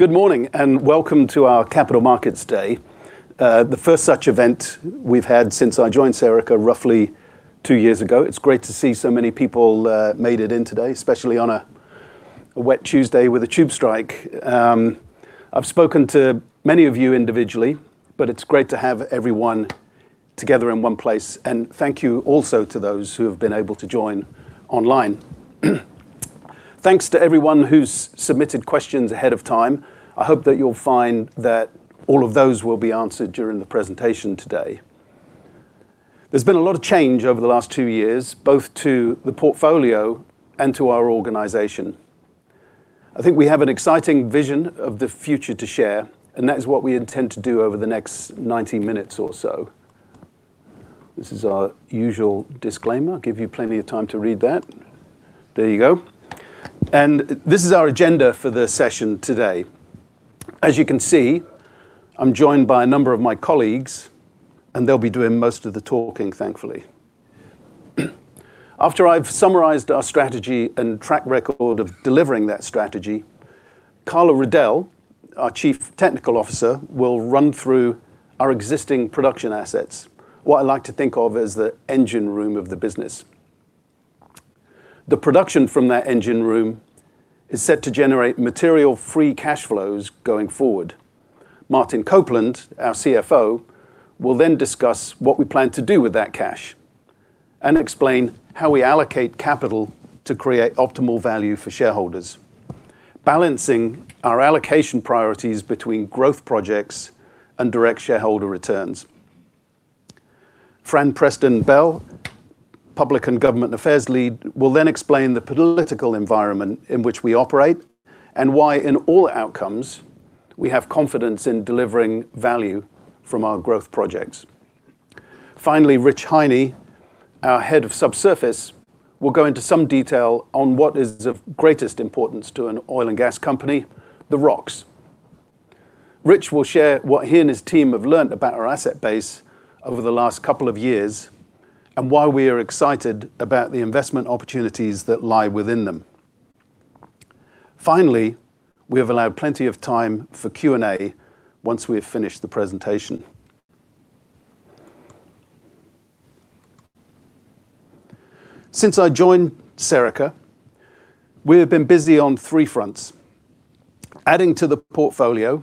Good morning, welcome to our Capital Markets Day, the first such event we've had since I joined Serica roughly two years ago. It's great to see so many people made it in today, especially on a wet Tuesday with a tube strike. I've spoken to many of you individually, but it's great to have everyone together in one place. Thank you also to those who have been able to join online. Thanks to everyone who submitted questions ahead of time. I hope that you'll find that all of those will be answered during the presentation today. There's been a lot of change over the last two years, both to the portfolio and to our organization. I think we have an exciting vision of the future to share, and that is what we intend to do over the next 90 minutes or so. This is our usual disclaimer. I'll give you plenty of time to read that. There you go. This is our agenda for the session today. As you can see, I'm joined by a number of my colleagues, and they'll be doing most of the talking, thankfully. After I've summarized our strategy and track record of delivering that strategy, Carla Riddell, our Chief Technical Officer, will run through our existing production assets, what I like to think of as the engine room of the business. The production from that engine room is set to generate material free cash flows going forward. Martin Copeland, our CFO, will then discuss what we plan to do with that cash and explain how we allocate capital to create optimal value for shareholders, balancing our allocation priorities between growth projects and direct shareholder returns. Fran Preston-Bell, Public and Government Affairs Lead, will then explain the political environment in which we operate and why in all outcomes we have confidence in delivering value from our growth projects. Finally, Rich Hiney, our Head of Subsurface, will go into some detail on what is of greatest importance to an oil and gas company, the rocks. Rich will share what he and his team have learned about our asset base over the last couple of years and why we are excited about the investment opportunities that lie within them. Finally, we have allowed plenty of time for Q&A once we have finished the presentation. Since I joined Serica, we have been busy on three fronts: adding to the portfolio,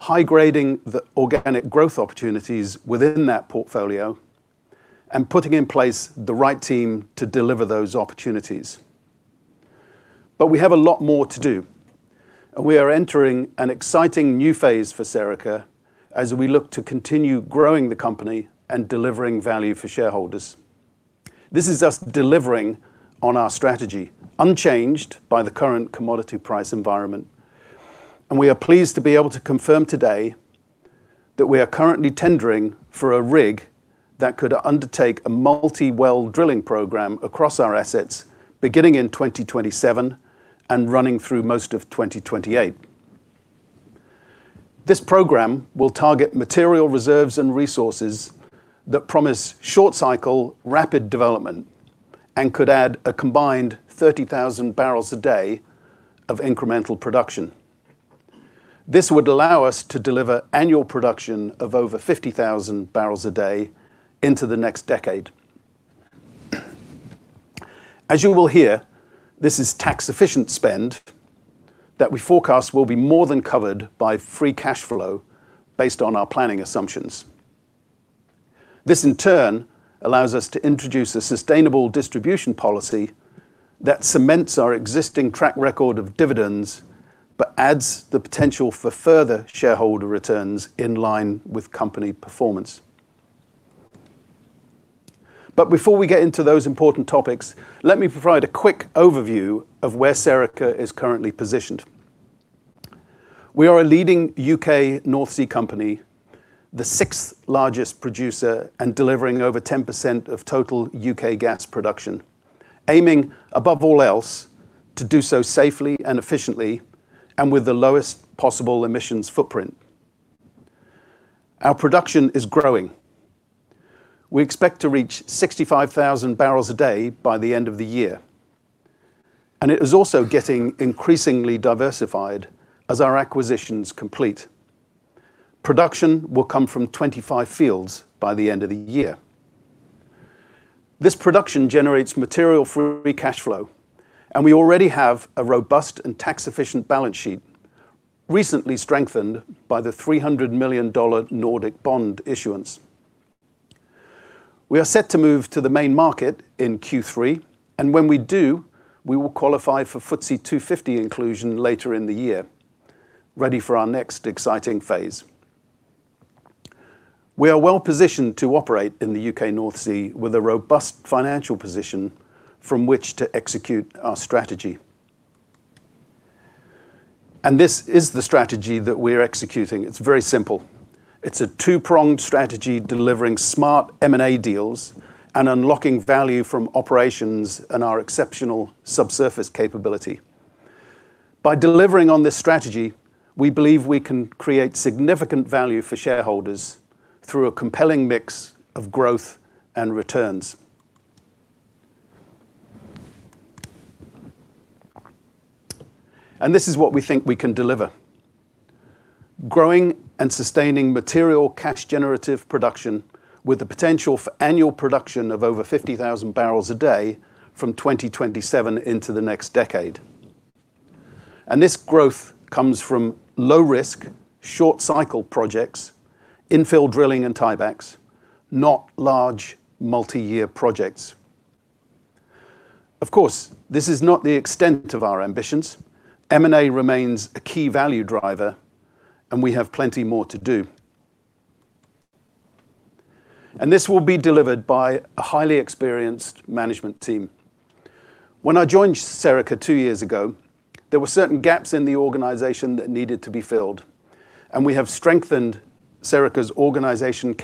high-grading the organic growth opportunities within that portfolio, and putting in place the right team to deliver those opportunities. We have a lot more to do. We are entering an exciting new phase for Serica as we look to continue growing the company and delivering value for shareholders. This is us delivering on our strategy unchanged by the current commodity price environment, and we are pleased to be able to confirm today that we are currently tendering for a rig that could undertake a multi-well drilling program across our assets beginning in 2027 and running through most of 2028. This program will target material reserves and resources that promise short-cycle, rapid development and could add a combined 30,000 bpd of incremental production. This would allow us to deliver annual production of over 50,000 bpd into the next decade. As you will hear, this is tax-efficient spend that we forecast will be more than covered by free cash flow based on our planning assumptions. This, in turn, allows us to introduce a sustainable distribution policy that cements our existing track record of dividends but adds the potential for further shareholder returns in line with company performance. Before we get into those important topics, let me provide a quick overview of where Serica is currently positioned. We are a leading U.K. North Sea company, the sixth largest producer, and delivering over 10% of total U.K. gas production, aiming above all else to do so safely and efficiently and with the lowest possible emissions footprint. Our production is growing. We expect to reach 65,000bpd by the end of the year, and it is also getting increasingly diversified as our acquisitions complete. Production will come from 25 fields by the end of the year. This production generates material free cash flow, and we already have a robust and tax-efficient balance sheet, recently strengthened by the $300 million Nordic bond issuance. We are set to move to the main market in Q3, and when we do, we will qualify for FTSE 250 inclusion later in the year, ready for our next exciting phase. We are well-positioned to operate in the U.K. North Sea with a robust financial position from which to execute our strategy. This is the strategy that we're executing. It's very simple. It's a two-pronged strategy delivering smart M&A deals and unlocking value from operations and our exceptional subsurface capability. By delivering on this strategy, we believe we can create significant value for shareholders through a compelling mix of growth and returns. This is what we think we can deliver. Growing and sustaining material cash generative production with the potential for annual production of over 50,000bpd from 2027 into the next decade. This growth comes from low risk, short cycle projects, infill drilling and tie-backs, not large multi-year projects. Of course, this is not the extent of our ambitions. M&A remains a key value driver, and we have plenty more to do. This will be delivered by a highly experienced management team. When I joined Serica two years ago, there were certain gaps in the organization that needed to be filled, and we have strengthened Serica's organization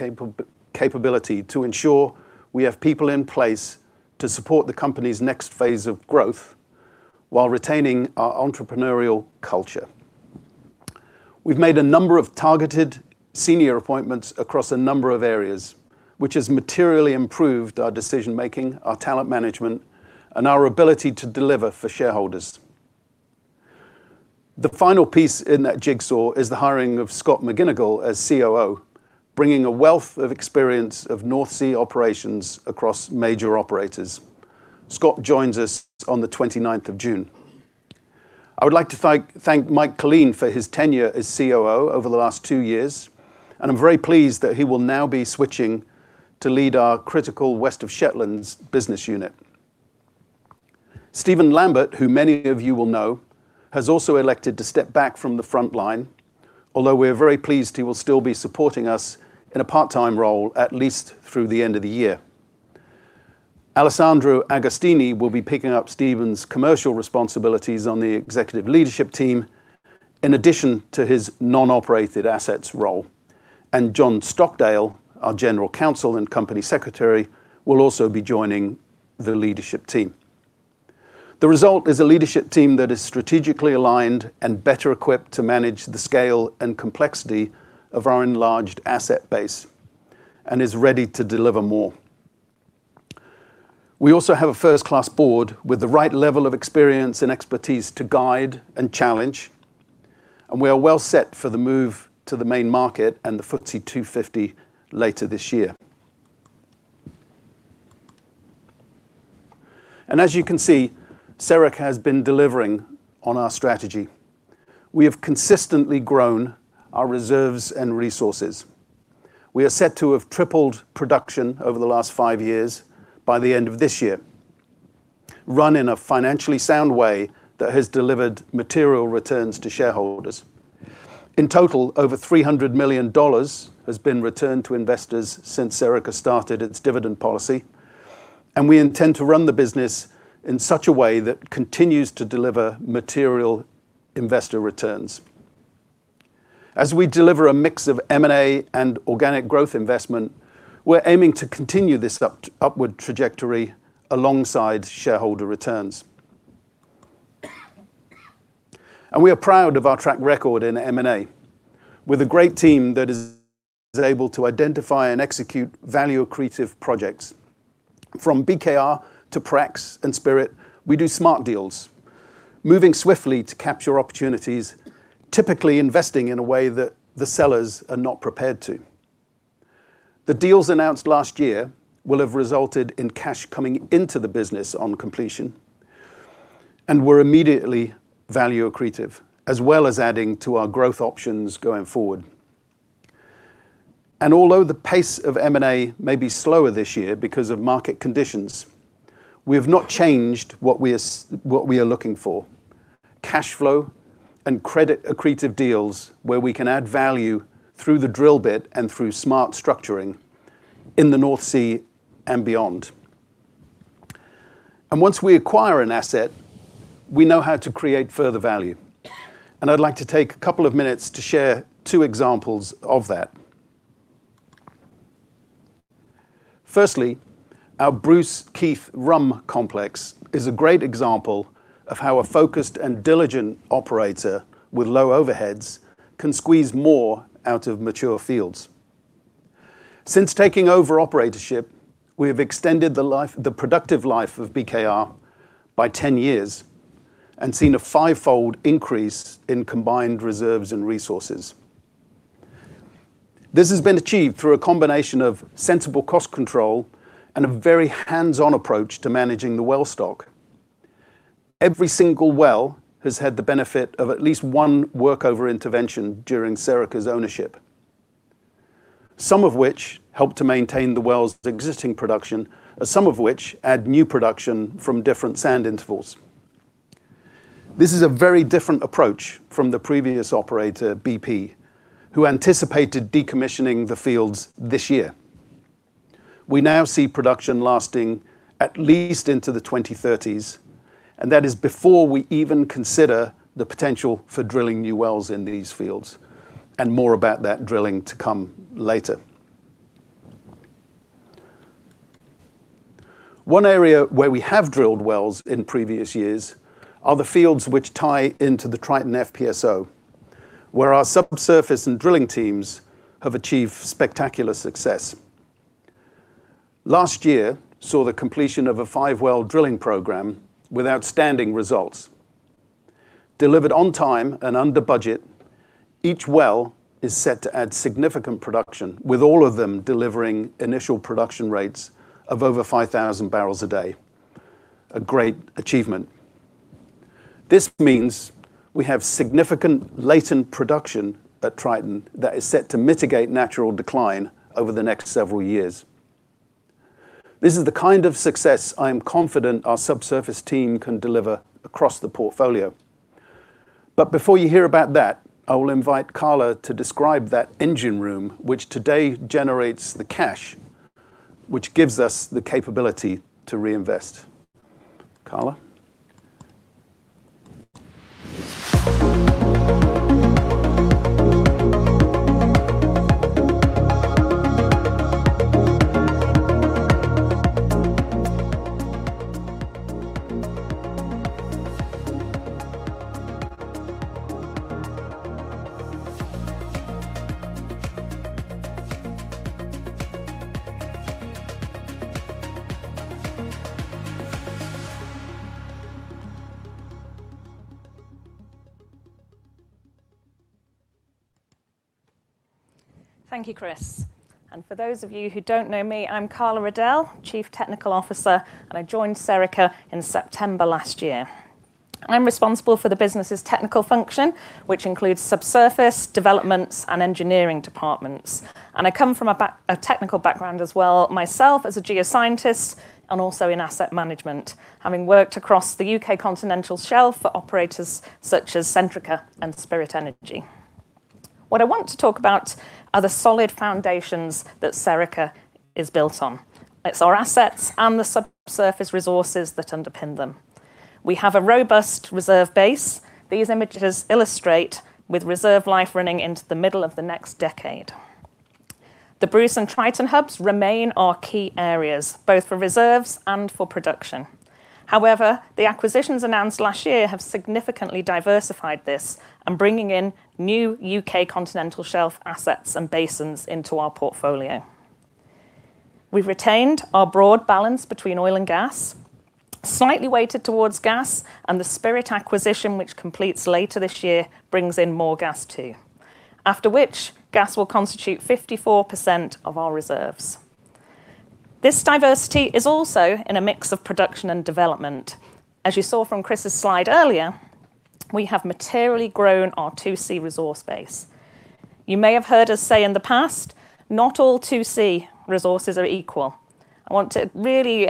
capability to ensure we have people in place to support the company's next phase of growth while retaining our entrepreneurial culture. We've made a number of targeted senior appointments across a number of areas, which has materially improved our decision-making, our talent management, and our ability to deliver for shareholders. The final piece in that jigsaw is the hiring of Scott McGinnigal as COO, bringing a wealth of experience of North Sea operations across major operators. Scott joins us on the 29th of June. I would like to thank Mike Killeen for his tenure as COO over the last two years, and I'm very pleased that he will now be switching to lead our critical West of Shetlands business unit. Stephen Lambert, who many of you will know, has also elected to step back from the frontline, although we're very pleased he will still be supporting us in a part-time role, at least through the end of the year. Alessandro Agostini will be picking up Stephen's commercial responsibilities on the Executive Leadership Team, in addition to his non-operated assets role. John Stockdale, our General Counsel and Company Secretary, will also be joining the Leadership Team. The result is a Leadership Team that is strategically aligned and better equipped to manage the scale and complexity of our enlarged asset base and is ready to deliver more. We also have a first-class board with the right level of experience and expertise to guide and challenge. We are well set for the move to the Main Market and the FTSE 250 later this year. As you can see, Serica has been delivering on our strategy. We have consistently grown our reserves and resources. We are set to have tripled production over the last five years by the end of this year, run in a financially sound way that has delivered material returns to shareholders. In total, over GBP 300 million has been returned to investors since Serica started its dividend policy. We intend to run the business in such a way that continues to deliver material investor returns. As we deliver a mix of M&A and organic growth investment, we're aiming to continue this upward trajectory alongside shareholder returns. We are proud of our track record in M&A, with a great team that is able to identify and execute value-accretive projects. From BKR to Prax and Spirit, we do smart deals, moving swiftly to capture opportunities, typically investing in a way that the sellers are not prepared to. The deals announced last year will have resulted in cash coming into the business on completion and were immediately value accretive, as well as adding to our growth options going forward. Although the pace of M&A may be slower this year because of market conditions, we have not changed what we are looking for, cash flow and credit accretive deals where we can add value through the drill bit and through smart structuring in the North Sea and beyond. Once we acquire an asset, we know how to create further value. I'd like to take a couple of minutes to share two examples of that. Firstly, our Bruce-Keith-Rhum complex is a great example of how a focused and diligent operator with low overheads can squeeze more out of mature fields. Since taking over operatorship, we have extended the productive life of BKR by 10 years and seen a fivefold increase in combined reserves and resources. This has been achieved through a combination of sensible cost control and a very hands-on approach to managing the well stock. Every single well has had the benefit of at least one workover intervention during Serica's ownership, some of which help to maintain the well's existing production, some of which add new production from different sand intervals. This is a very different approach from the previous operator, BP, who anticipated decommissioning the fields this year. We now see production lasting at least into the 2030s. That is before we even consider the potential for drilling new wells in these fields, and more about that drilling to come later. One area where we have drilled wells in previous years are the fields which tie into the Triton FPSO. Where our subsurface and drilling teams have achieved spectacular success. Last year saw the completion of a five-well drilling program with outstanding results. Delivered on time and under budget, each well is set to add significant production, with all of them delivering initial production rates of over 5,000bpd. A great achievement. This means we have significant latent production at Triton that is set to mitigate natural decline over the next several years. This is the kind of success I am confident our subsurface team can deliver across the portfolio. Before you hear about that, I will invite Carla to describe that engine room, which today generates the cash, which gives us the capability to reinvest. Carla? Thank you, Chris. For those of you who don't know me, I'm Carla Riddell, Chief Technical Officer, I joined Serica in September last year. I'm responsible for the business' technical function, which includes subsurface developments and engineering departments. I come from a technical background as well, myself as a geoscientist and also in asset management, having worked across the U.K. Continental Shelf for operators such as Centrica and Spirit Energy. What I want to talk about are the solid foundations that Serica is built on. It's our assets and the subsurface resources that underpin them. We have a robust reserve base. These images illustrate with reserve life running into the middle of the next decade. The Bruce and Triton hubs remain our key areas, both for reserves and for production. However, the acquisitions announced last year have significantly diversified this and bringing in new U.K. continental shelf assets and basins into our portfolio. We've retained our broad balance between oil and gas, slightly weighted towards gas, and the Spirit acquisition, which completes later this year, brings in more gas too. After which, gas will constitute 54% of our reserves. This diversity is also in a mix of production and development. As you saw from Chris's slide earlier, we have materially grown our 2C resource base. You may have heard us say in the past, not all 2C resources are equal. I want to really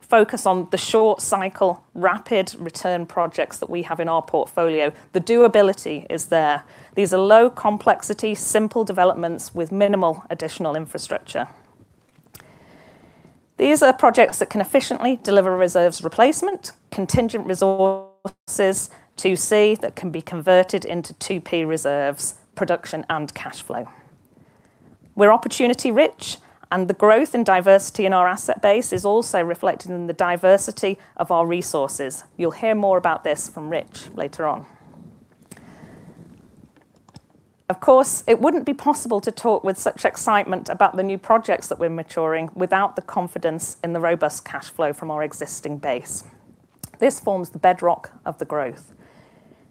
focus on the short cycle rapid return projects that we have in our portfolio. The doability is there. These are low complexity, simple developments with minimal additional infrastructure. These are projects that can efficiently deliver reserves replacement, contingent resources, 2C that can be converted into 2P reserves, production, and cash flow. We're opportunity rich, and the growth and diversity in our asset base is also reflected in the diversity of our resources. You'll hear more about this from Rich later on. Of course, it wouldn't be possible to talk with such excitement about the new projects that we're maturing without the confidence in the robust cash flow from our existing base. This forms the bedrock of the growth.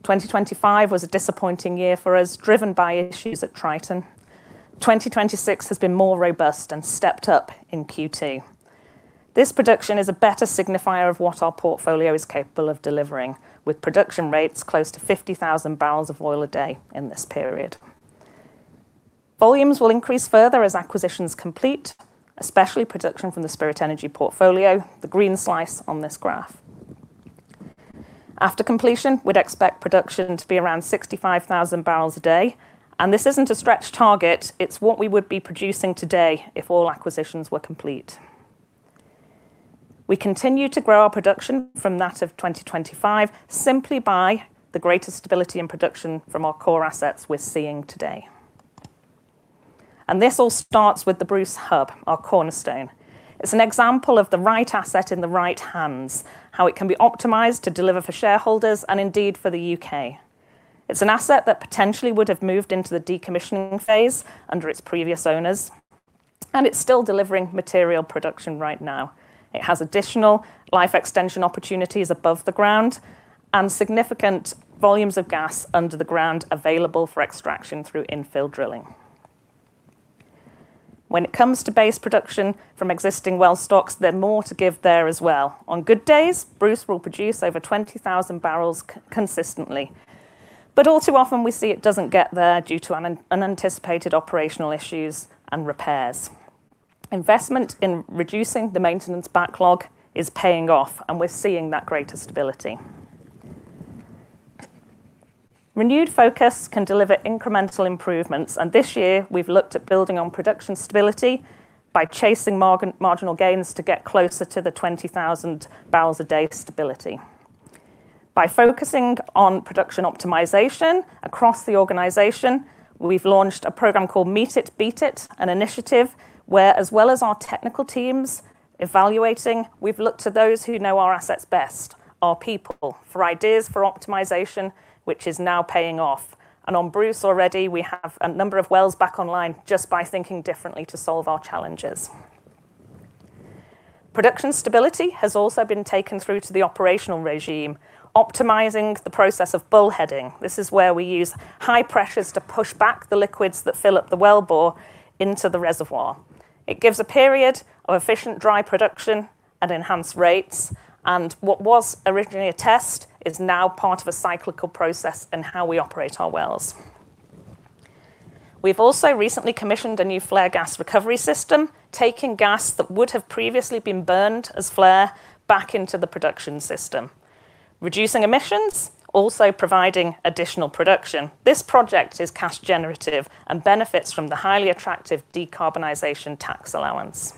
2025 was a disappointing year for us, driven by issues at Triton. 2026 has been more robust and stepped up in Q2. This production is a better signifier of what our portfolio is capable of delivering, with production rates close to 50,000 barrels of oil a day in this period. Volumes will increase further as acquisitions complete, especially production from the Spirit Energy portfolio, the green slice on this graph. After completion, we'd expect production to be around 65,000 bpd. This isn't a stretch target, it's what we would be producing today if all acquisitions were complete. We continue to grow our production from that of 2025 simply by the greater stability in production from our core assets we're seeing today. This all starts with the Bruce hub, our cornerstone. It's an example of the right asset in the right hands, how it can be optimized to deliver for shareholders and indeed for the U.K. It's an asset that potentially would have moved into the decommissioning phase under its previous owners. It's still delivering material production right now. It has additional life extension opportunities above the ground and significant volumes of gas under the ground available for extraction through infill drilling. When it comes to base production from existing well stocks, they're more to give there as well. On good days, Bruce will produce over 20,000 barrels consistently. All too often we see it doesn't get there due to unanticipated operational issues and repairs. Investment in reducing the maintenance backlog is paying off, and we're seeing that greater stability. Renewed focus can deliver incremental improvements, and this year we've looked at building on production stability by chasing marginal gains to get closer to the 20,000 bpd stability. By focusing on production optimization across the organization, we've launched a program called Meet It Beat It, an initiative where as well as our technical teams evaluating, we've looked to those who know our assets best, our people, for ideas for optimization, which is now paying off. On Bruce already, we have a number of wells back online just by thinking differently to solve our challenges. Production stability has also been taken through to the operational regime, optimizing the process of bullheading. This is where we use high pressures to push back the liquids that fill up the wellbore into the reservoir. It gives a period of efficient dry production at enhanced rates. What was originally a test is now part of a cyclical process in how we operate our wells. We've also recently commissioned a new flare gas recovery system, taking gas that would have previously been burned as flare back into the production system, reducing emissions, also providing additional production. This project is cash generative and benefits from the highly attractive decarbonisation tax allowance.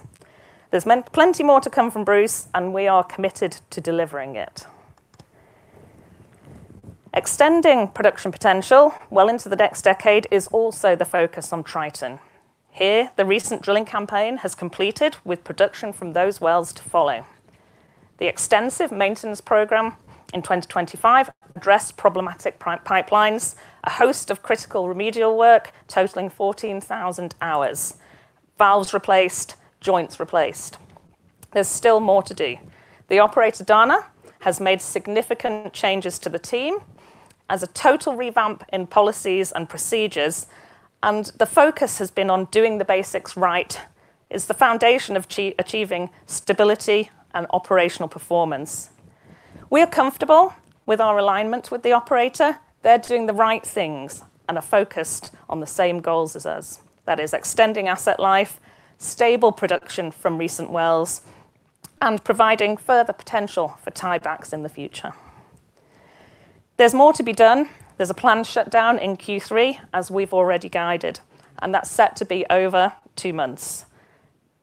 There's plenty more to come from Bruce, and we are committed to delivering it. Extending production potential well into the next decade is also the focus on Triton. Here, the recent drilling campaign has completed with production from those wells to follow. The extensive maintenance program in 2025 addressed problematic pipelines, a host of critical remedial work totaling 14,000 hours, valves replaced, joints replaced. There's still more to do. The operator, Dana, has made significant changes to the team as a total revamp in policies and procedures. The focus has been on doing the basics right as the foundation of achieving stability and operational performance. We are comfortable with our alignment with the operator. They're doing the right things and are focused on the same goals as us. That is extending asset life, stable production from recent wells, and providing further potential for tie-backs in the future. There's more to be done. There's a planned shutdown in Q3, as we've already guided. That's set to be over two months.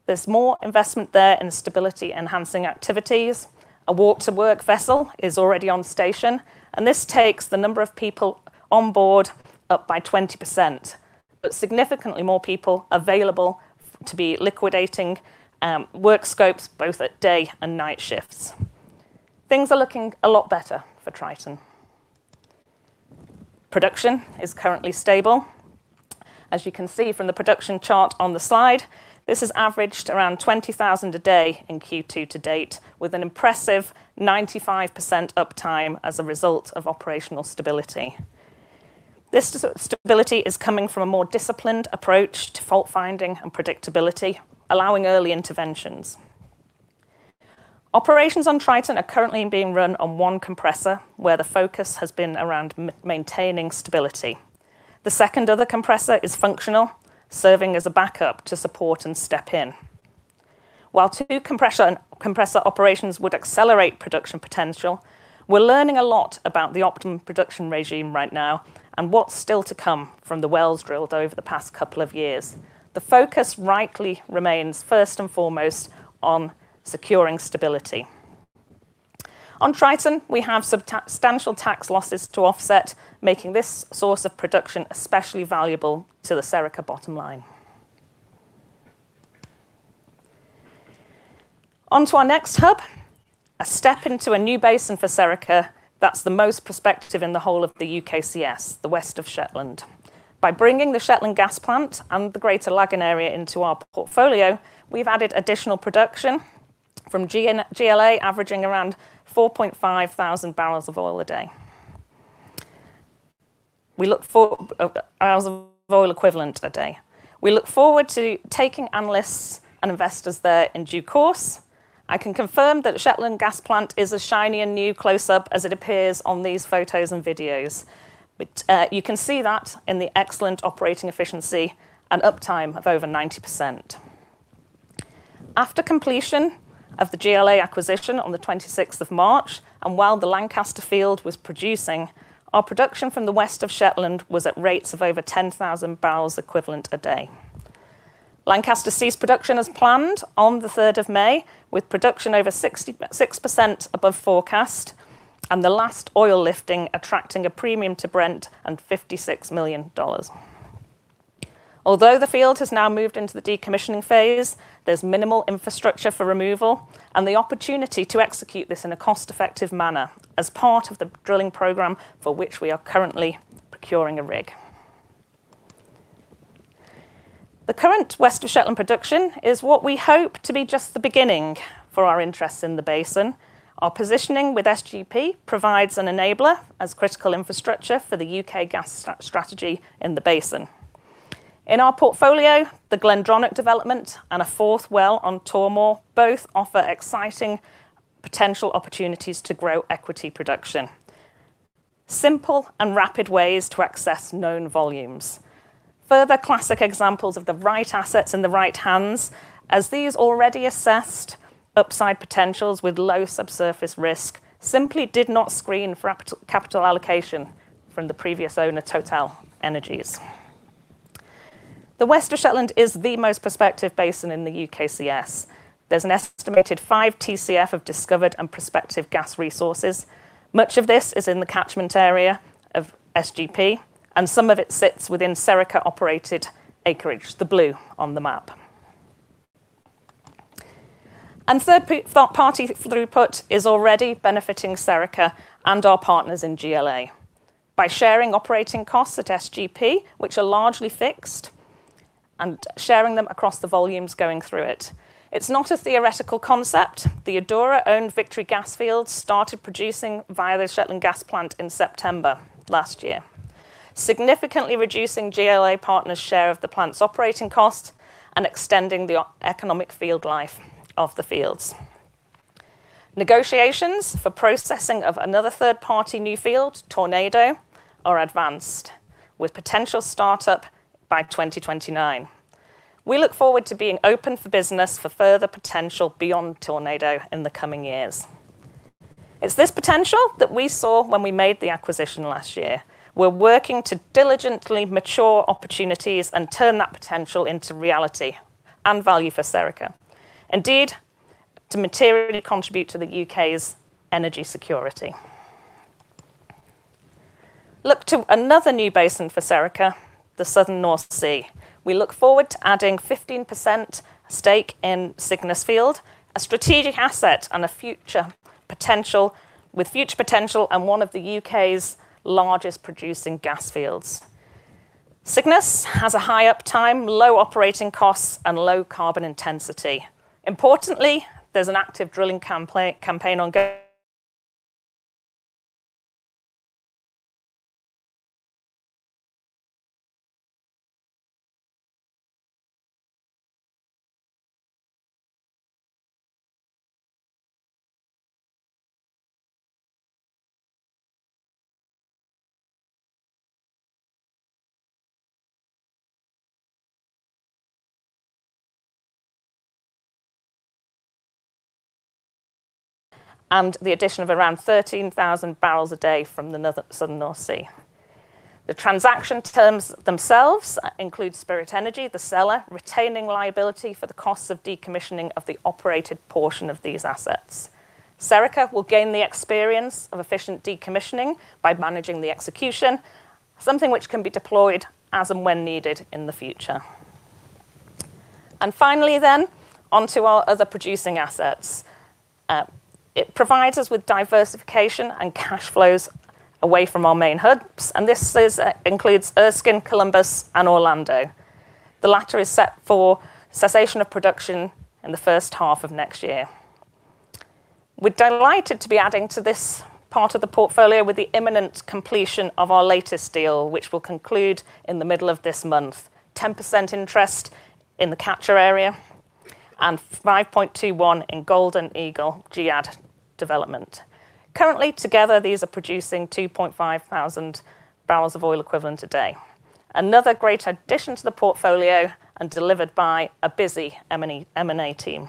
There's more investment there in stability-enhancing activities. A walk-to-work vessel is already on station. This takes the number of people on board up by 20%, but significantly more people available to be liquidating work scopes both at day and night shifts. Things are looking a lot better for Triton. Production is currently stable. As you can see from the production chart on the slide, this has averaged around 20,000 a day in Q2 to date, with an impressive 95% uptime as a result of operational stability. This stability is coming from a more disciplined approach to fault-finding and predictability, allowing early interventions. Operations on Triton are currently being run on one compressor, where the focus has been around maintaining stability. The second other compressor is functional, serving as a backup to support and step in. While two compressor operations would accelerate production potential, we're learning a lot about the optimum production regime right now and what's still to come from the wells drilled over the past couple of years. The focus rightly remains first and foremost on securing stability. On Triton, we have substantial tax losses to offset, making this source of production especially valuable to the Serica Energy bottom line. On to our next hub, a step into a new basin for Serica Energy that's the most prospective in the whole of the U.K. CS, the west of Shetland. By bringing the Shetland Gas Plant and the Greater Laggan Area into our portfolio, we've added additional production from GLA averaging around 4,500 BOE a day. We look forward to taking analysts and investors there in due course. I can confirm that the Shetland Gas Plant is as shiny and new close-up as it appears on these photos and videos. You can see that in the excellent operating efficiency and uptime of over 90%. After completion of the GLA acquisition on the 26th of March, and while the Lancaster field was producing, our production from the West of Shetland was at rates of over 10,000 barrels equivalent a day. Lancaster ceased production as planned on the 3rd of May, with production over 66% above forecast, and the last oil lifting attracting a premium to Brent and GBP 56 million. The field has now moved into the decommissioning phase, there's minimal infrastructure for removal and the opportunity to execute this in a cost-effective manner as part of the drilling program for which we are currently procuring a rig. The current West of Shetland production is what we hope to be just the beginning for our interests in the basin. Our positioning with SGP provides an enabler as critical infrastructure for the U.K. gas strategy in the basin. In our portfolio, the Glendronach development and a fourth well on Tormore both offer exciting potential opportunities to grow equity production, simple and rapid ways to access known volumes. Further classic examples of the right assets in the right hands, as these already assessed upside potentials with low subsurface risk simply did not screen for capital allocation from the previous owner, TotalEnergies. The West of Shetland is the most prospective basin in the UK CS. There's an estimated five TCF of discovered and prospective gas resources. Much of this is in the catchment area of SGP, and some of it sits within Serica-operated acreage, the blue on the map. Third-party throughput is already benefiting Serica and our partners in GLA by sharing operating costs at SGP, which are largely fixed, and sharing them across the volumes going through it. It's not a theoretical concept. The Adura-owned Victory gas field started producing via the Shetland Gas Plant in September last year, significantly reducing GLA partners' share of the plant's operating cost and extending the economic field life of the fields. Negotiations for processing of another third-party new field, Tornado, are advanced, with potential startup by 2029. We look forward to being open for business for further potential beyond Tornado in the coming years. It's this potential that we saw when we made the acquisition last year. We're working to diligently mature opportunities and turn that potential into reality, and value for Serica. Indeed, to materially contribute to the U.K.'s energy security. Look to another new basin for Serica, the southern North Sea. We look forward to adding 15% stake in Cygnus Field, a strategic asset with future potential and one of the U.K.'s largest producing gas fields. Cygnus has a high uptime, low operating costs, and low carbon intensity. Importantly, there's an active drilling campaign ongoing. The addition of around 13,000 bpd from the Southern North Sea. The transaction terms themselves include Spirit Energy, the seller, retaining liability for the costs of decommissioning of the operated portion of these assets. Serica will gain the experience of efficient decommissioning by managing the execution, something which can be deployed as and when needed in the future. Finally, onto our other producing assets. It provides us with diversification and cash flows away from our main hubs, and this includes Erskine, Columbus, and Orlando. The latter is set for cessation of production in the first half of next year. We're delighted to be adding to this part of the portfolio with the imminent completion of our latest deal, which will conclude in the middle of this month. 10% interest in the Catcher area and 5.21 in Golden Eagle GEAD development. Currently, together, these are producing 2,500 BOE a day. Another great addition to the portfolio and delivered by a busy M&A team.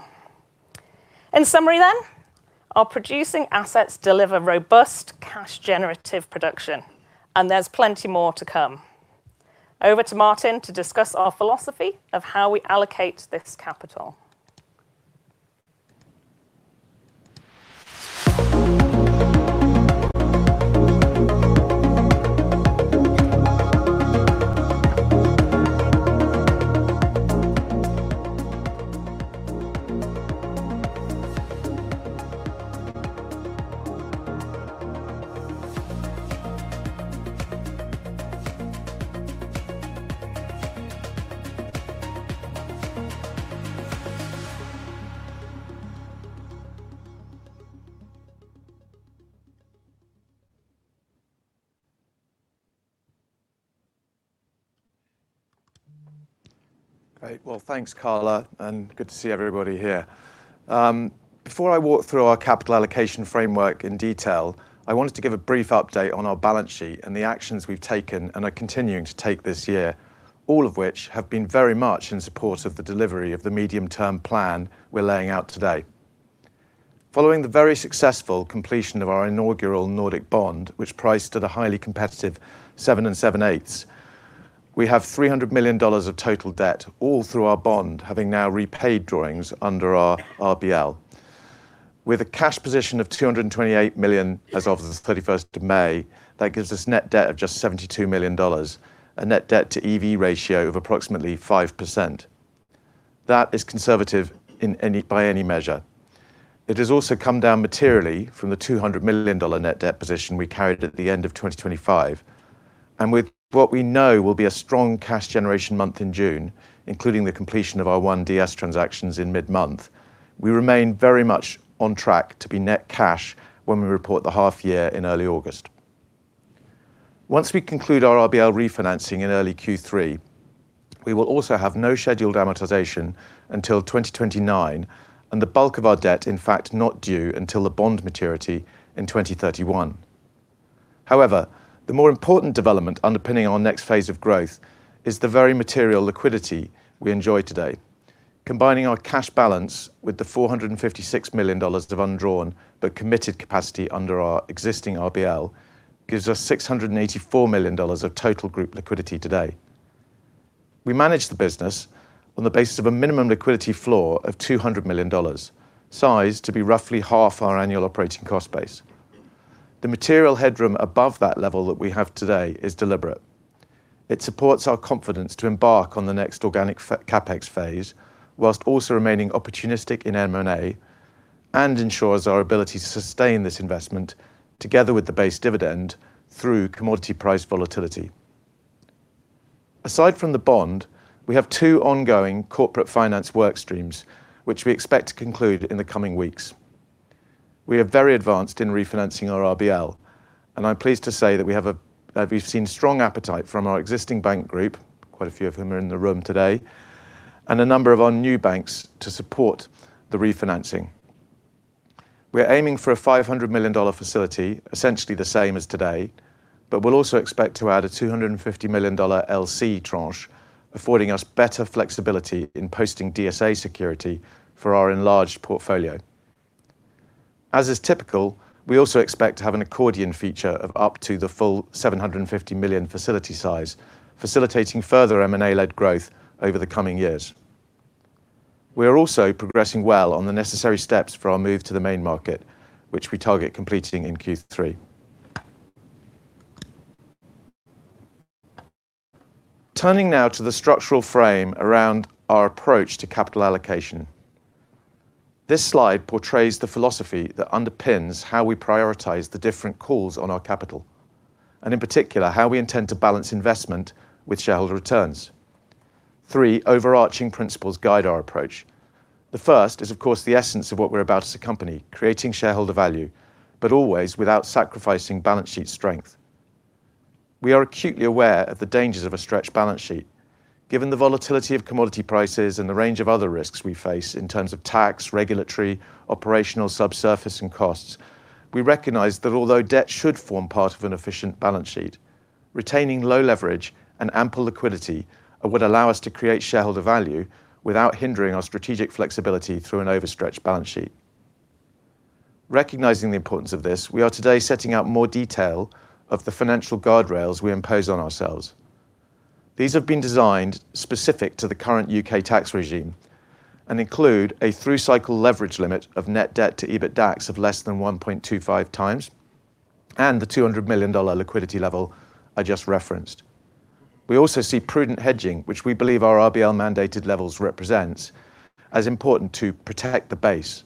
In summary, our producing assets deliver robust cash-generative production, and there's plenty more to come. Over to Martin to discuss our philosophy of how we allocate this capital. Great. Well, thanks, Carla, good to see everybody here. Before I walk through our capital allocation framework in detail, I wanted to give a brief update on our balance sheet and the actions we've taken and are continuing to take this year, all of which have been very much in support of the delivery of the medium-term plan we're laying out today. Following the very successful completion of our inaugural Nordic bond, which priced at a highly competitive seven and seven-eighths, we have $300 million of total debt all through our bond, having now repaid drawings under our RBL. With a cash position of $228 million as of the 31st of May, that gives us net debt of just $72 million. A net debt to EV ratio of approximately 5%. That is conservative by any measure. It has also come down materially from the $200 million net debt position we carried at the end of 2025. With what we know will be a strong cash generation month in June, including the completion of our ONE-Dyas transactions in mid-month, we remain very much on track to be net cash when we report the half year in early August. Once we conclude our RBL refinancing in early Q3, we will also have no scheduled amortization until 2029, and the bulk of our debt, in fact, not due until the bond maturity in 2031. However, the more important development underpinning our next phase of growth is the very material liquidity we enjoy today. Combining our cash balance with the $456 million of undrawn but committed capacity under our existing RBL gives us $684 million of total group liquidity today. We manage the business on the basis of a minimum liquidity floor of $200 million, sized to be roughly half our annual operating cost base. The material headroom above that level that we have today is deliberate. It supports our confidence to embark on the next organic CapEx phase whilst also remaining opportunistic in M&A and ensures our ability to sustain this investment together with the base dividend through commodity price volatility. Aside from the bond, we have two ongoing corporate finance work streams, which we expect to conclude in the coming weeks. We are very advanced in refinancing our RBL, and I'm pleased to say that we've seen strong appetite from our existing bank group, quite a few of whom are in the room today, and a number of our new banks to support the refinancing. We are aiming for a $500 million facility, essentially the same as today, but we'll also expect to add a $250 million LC tranche, affording us better flexibility in posting DSA security for our enlarged portfolio. As is typical, we also expect to have an accordion feature of up to the full $750 million facility size, facilitating further M&A-led growth over the coming years. We are also progressing well on the necessary steps for our move to the main market, which we target completing in Q3. Turning now to the structural frame around our approach to capital allocation. This slide portrays the philosophy that underpins how we prioritize the different calls on our capital, and in particular, how we intend to balance investment with shareholder returns. Three overarching principles guide our approach. The first is, of course, the essence of what we're about as a company, creating shareholder value, but always without sacrificing balance sheet strength. We are acutely aware of the dangers of a stretched balance sheet. Given the volatility of commodity prices and the range of other risks we face in terms of tax, regulatory, operational, subsurface, and costs, we recognize that although debt should form part of an efficient balance sheet, retaining low leverage and ample liquidity would allow us to create shareholder value without hindering our strategic flexibility through an overstretched balance sheet. Recognizing the importance of this, we are today setting out more detail of the financial guardrails we impose on ourselves. These have been designed specific to the current U.K. tax regime and include a through-cycle leverage limit of net debt to EBITDAX of less than 1.25x and the $200 million liquidity level I just referenced. We also see prudent hedging, which we believe our RBL-mandated levels represents, as important to protect the base.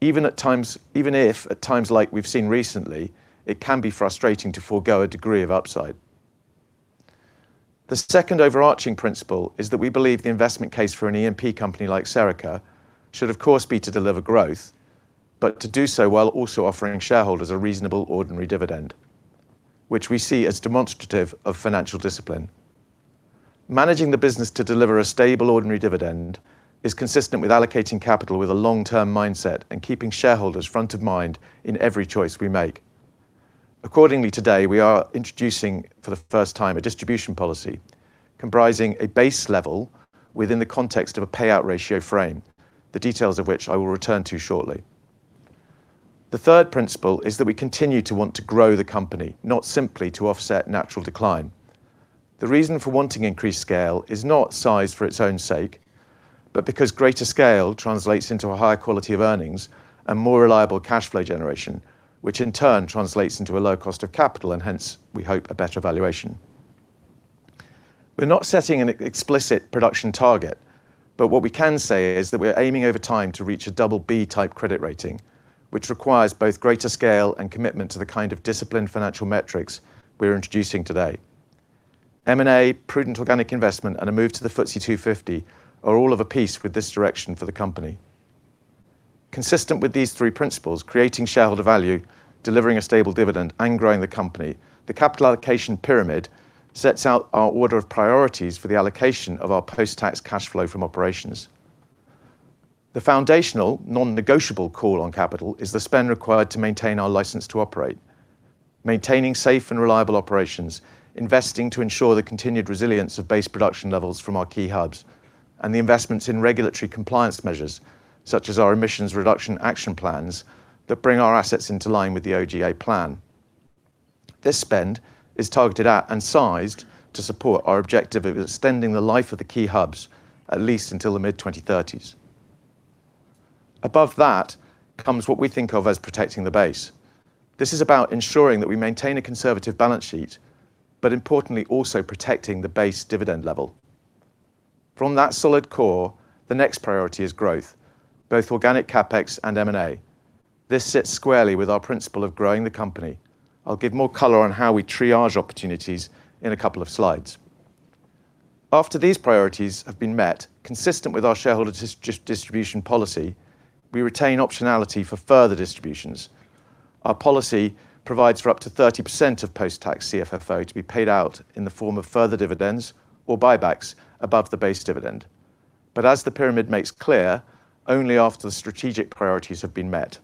Even if, at times like we've seen recently, it can be frustrating to forgo a degree of upside. The second overarching principle is that we believe the investment case for an E&P company like Serica should, of course, be to deliver growth, but to do so while also offering shareholders a reasonable ordinary dividend, which we see as demonstrative of financial discipline. Managing the business to deliver a stable ordinary dividend is consistent with allocating capital with a long-term mindset and keeping shareholders front of mind in every choice we make. Accordingly, today, we are introducing for the first time a distribution policy comprising a base level within the context of a payout ratio frame, the details of which I will return to shortly. The third principle is that we continue to want to grow the company, not simply to offset natural decline. The reason for wanting increased scale is not size for its own sake, but because greater scale translates into a higher quality of earnings and more reliable cash flow generation, which in turn translates into a low cost of capital, and hence, we hope, a better valuation. We're not setting an explicit production target, but what we can say is that we're aiming over time to reach a BB-type credit rating, which requires both greater scale and commitment to the kind of disciplined financial metrics we're introducing today. M&A, prudent organic investment, and a move to the FTSE 250 are all of a piece with this direction for the company. Consistent with these three principles, creating shareholder value, delivering a stable dividend, and growing the company, the capital allocation pyramid sets out our order of priorities for the allocation of our post-tax cash flow from operations. The foundational non-negotiable call on capital is the spend required to maintain our license to operate. Maintaining safe and reliable operations, investing to ensure the continued resilience of base production levels from our key hubs, and the investments in regulatory compliance measures, such as our emissions reduction action plans that bring our assets into line with the OGA plan. This spend is targeted at and sized to support our objective of extending the life of the key hubs at least until the mid-2030s. Above that comes what we think of as protecting the base. This is about ensuring that we maintain a conservative balance sheet, but importantly, also protecting the base dividend level. From that solid core, the next priority is growth, both organic CapEx and M&A. This sits squarely with our principle of growing the company. I'll give more color on how we triage opportunities in a couple of slides. After these priorities have been met, consistent with our shareholder distribution policy, we retain optionality for further distributions. Our policy provides for up to 30% of post-tax CFFO to be paid out in the form of further dividends or buybacks above the base dividend. As the pyramid makes clear, only after the strategic priorities have been met.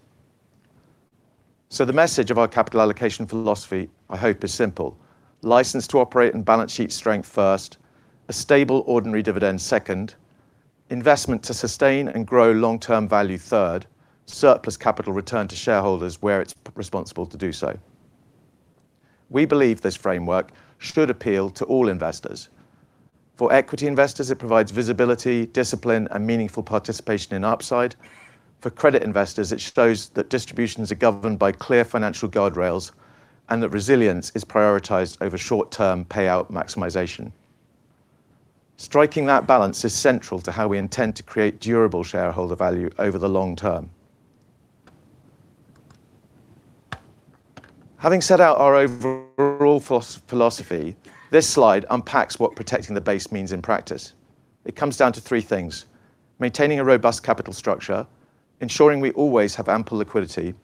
The message of our capital allocation philosophy, I hope, is simple. License to operate and balance sheet strength first, a stable ordinary dividend second, investment to sustain and grow long-term value third, surplus capital return to shareholders where it's responsible to do so. We believe this framework should appeal to all investors. For equity investors, it provides visibility, discipline, and meaningful participation in upside. For credit investors, it shows that distributions are governed by clear financial guardrails and that resilience is prioritized over short-term payout maximization. Striking that balance is central to how we intend to create durable shareholder value over the long term. Having set out our overall philosophy, this slide unpacks what protecting the base means in practice. It comes down to three things: maintaining a robust capital structure, ensuring we always have ample liquidity,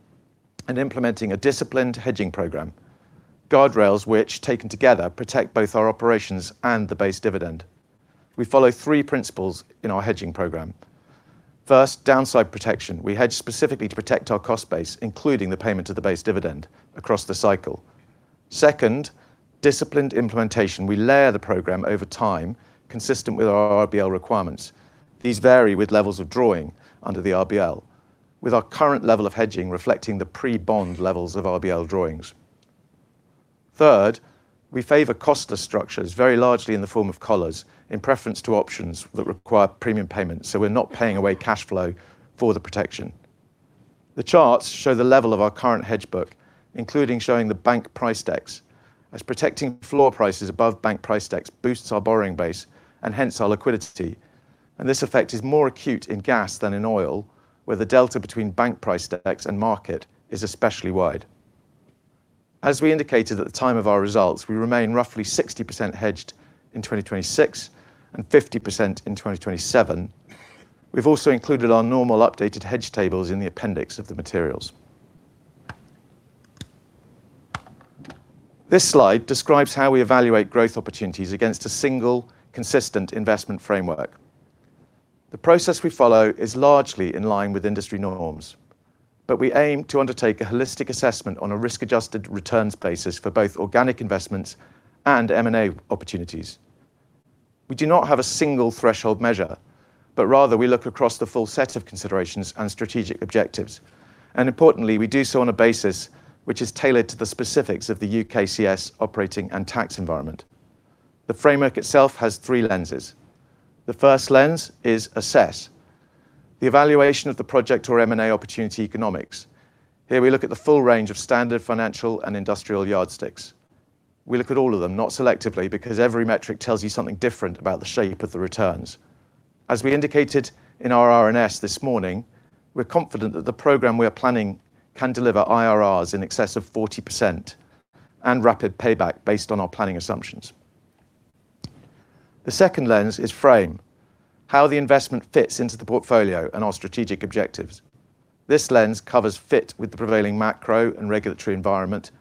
and implementing a disciplined hedging program. Guardrails which, taken together, protect both our operations and the base dividend. We follow three principles in our hedging program. First, downside protection. We hedge specifically to protect our cost base, including the payment of the base dividend across the cycle. Second, disciplined implementation. We layer the program over time, consistent with our RBL requirements. These vary with levels of drawing under the RBL, with our current level of hedging reflecting the pre-bond levels of RBL drawings. Third, we favor costless structures, very largely in the form of collars, in preference to options that require premium payments, so we're not paying away cash flow for the protection. The charts show the level of our current hedge book, including showing the bank price decks, as protecting floor prices above bank price decks boosts our borrowing base and hence our liquidity, and this effect is more acute in gas than in oil, where the delta between bank price decks and market is especially wide. As we indicated at the time of our results, we remain roughly 60% hedged in 2026 and 50% in 2027. We have also included our normal updated hedge tables in the appendix of the materials. This slide describes how we evaluate growth opportunities against a single consistent investment framework. The process we follow is largely in line with industry norms, we aim to undertake a holistic assessment on a risk-adjusted returns basis for both organic investments and M&A opportunities. We do not have a single threshold measure, rather we look across the full set of considerations and strategic objectives. Importantly, we do so on a basis which is tailored to the specifics of the UKCS operating and tax environment. The framework itself has three lenses. The first lens is assess, the evaluation of the project or M&A opportunity economics. Here we look at the full range of standard financial and industrial yardsticks. We look at all of them, not selectively, because every metric tells you something different about the shape of the returns. As we indicated in our RNS this morning, we're confident that the program we are planning can deliver IRRs in excess of 40% and rapid payback based on our planning assumptions. The second lens is frame, how the investment fits into the portfolio and our strategic objectives. This lens covers fit with the prevailing macro and regulatory environment,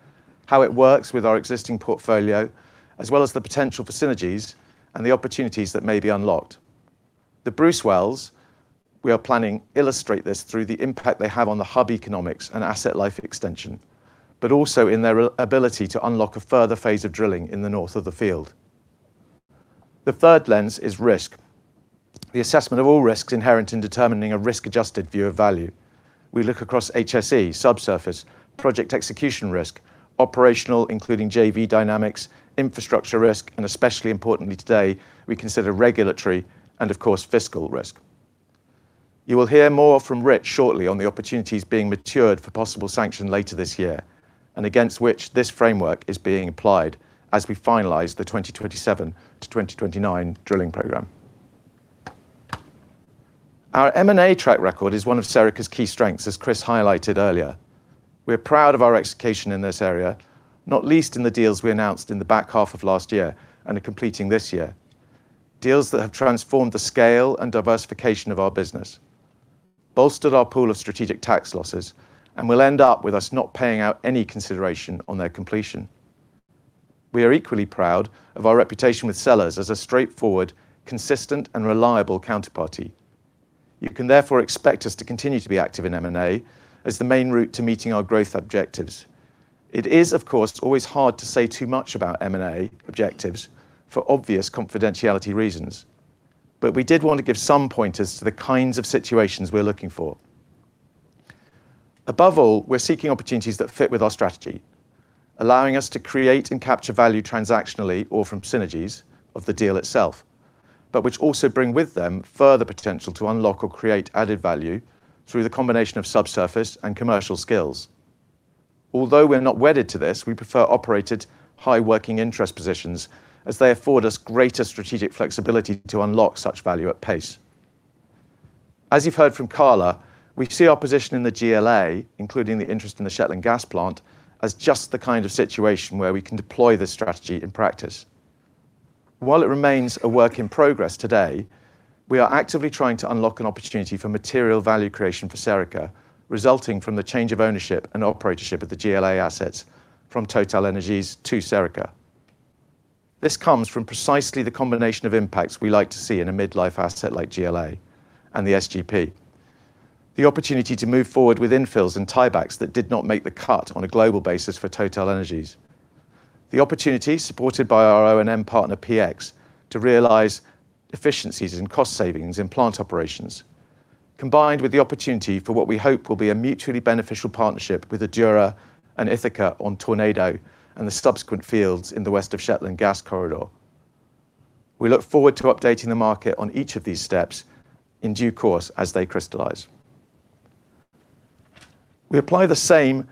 how it works with our existing portfolio, as well as the potential for synergies and the opportunities that may be unlocked. The Bruce wells we are planning illustrate this through the impact they have on the hub economics and asset life extension, but also in their ability to unlock a further phase of drilling in the north of the field. The third lens is risk, the assessment of all risks inherent in determining a risk-adjusted view of value. We look across HSE, subsurface, project execution risk, operational, including JV dynamics, infrastructure risk, and especially importantly today, we consider regulatory and of course, fiscal risk. You will hear more from Rich shortly on the opportunities being matured for possible sanction later this year, and against which this framework is being applied as we finalize the 2027 to 2029 drilling program. Our M&A track record is one of Serica's key strengths, as Chris highlighted earlier. We're proud of our execution in this area, not least in the deals we announced in the back half of last year and are completing this year. Deals that have transformed the scale and diversification of our business, bolstered our pool of strategic tax losses, and will end up with us not paying out any consideration on their completion. We are equally proud of our reputation with sellers as a straightforward, consistent and reliable counterparty. You can therefore expect us to continue to be active in M&A as the main route to meeting our growth objectives. It is, of course, always hard to say too much about M&A objectives for obvious confidentiality reasons. We did want to give some pointers to the kinds of situations we're looking for. Above all, we're seeking opportunities that fit with our strategy, allowing us to create and capture value transactionally or from synergies of the deal itself, but which also bring with them further potential to unlock or create added value through the combination of subsurface and commercial skills. Although we're not wedded to this, we prefer operated high working interest positions as they afford us greater strategic flexibility to unlock such value at pace. As you've heard from Carla, we see our position in the GLA, including the interest in the Shetland Gas Plant, as just the kind of situation where we can deploy this strategy in practice. While it remains a work in progress today, we are actively trying to unlock an opportunity for material value creation for Serica, resulting from the change of ownership and operatorship of the GLA assets from TotalEnergies to Serica. This comes from precisely the combination of impacts we like to see in a mid-life asset like GLA and the SGP. The opportunity to move forward with infills and tiebacks that did not make the cut on a global basis for TotalEnergies. The opportunity, supported by our O&M partner, PX, to realize efficiencies and cost savings in plant operations. Combined with the opportunity for what we hope will be a mutually beneficial partnership with Adura and Ithaca on Tornado and the subsequent fields in the West of Shetland Gas Corridor. We look forward to updating the market on each of these steps in due course as they crystallize. We apply the same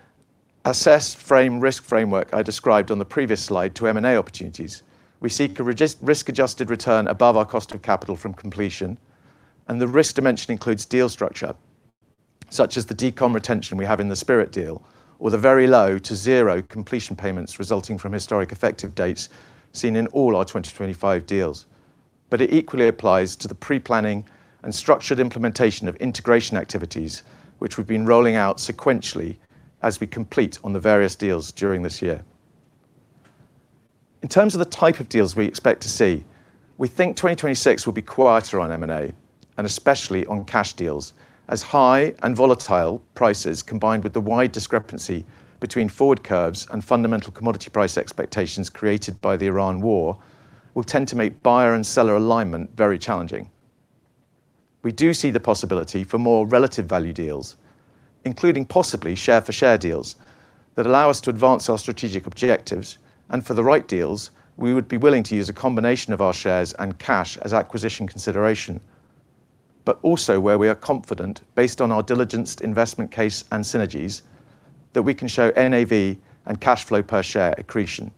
assessed frame risk framework I described on the previous slide to M&A opportunities. We seek a risk-adjusted return above our cost of capital from completion, and the risk dimension includes deal structure, such as the decommission retention we have in the Spirit deal, or the very low to zero completion payments resulting from historic effective dates seen in all our 2025 deals. It equally applies to the pre-planning and structured implementation of integration activities, which we've been rolling out sequentially as we complete on the various deals during this year. In terms of the type of deals we expect to see, we think 2026 will be quieter on M&A, and especially on cash deals, as high and volatile prices, combined with the wide discrepancy between forward curves and fundamental commodity price expectations created by the Iran war, will tend to make buyer and seller alignment very challenging. We do see the possibility for more relative value deals, including possibly share-for-share deals, that allow us to advance our strategic objectives. For the right deals, we would be willing to use a combination of our shares and cash as acquisition consideration, but also where we are confident, based on our diligenced investment case and synergies, that we can show NAV and cash flow per share accretion.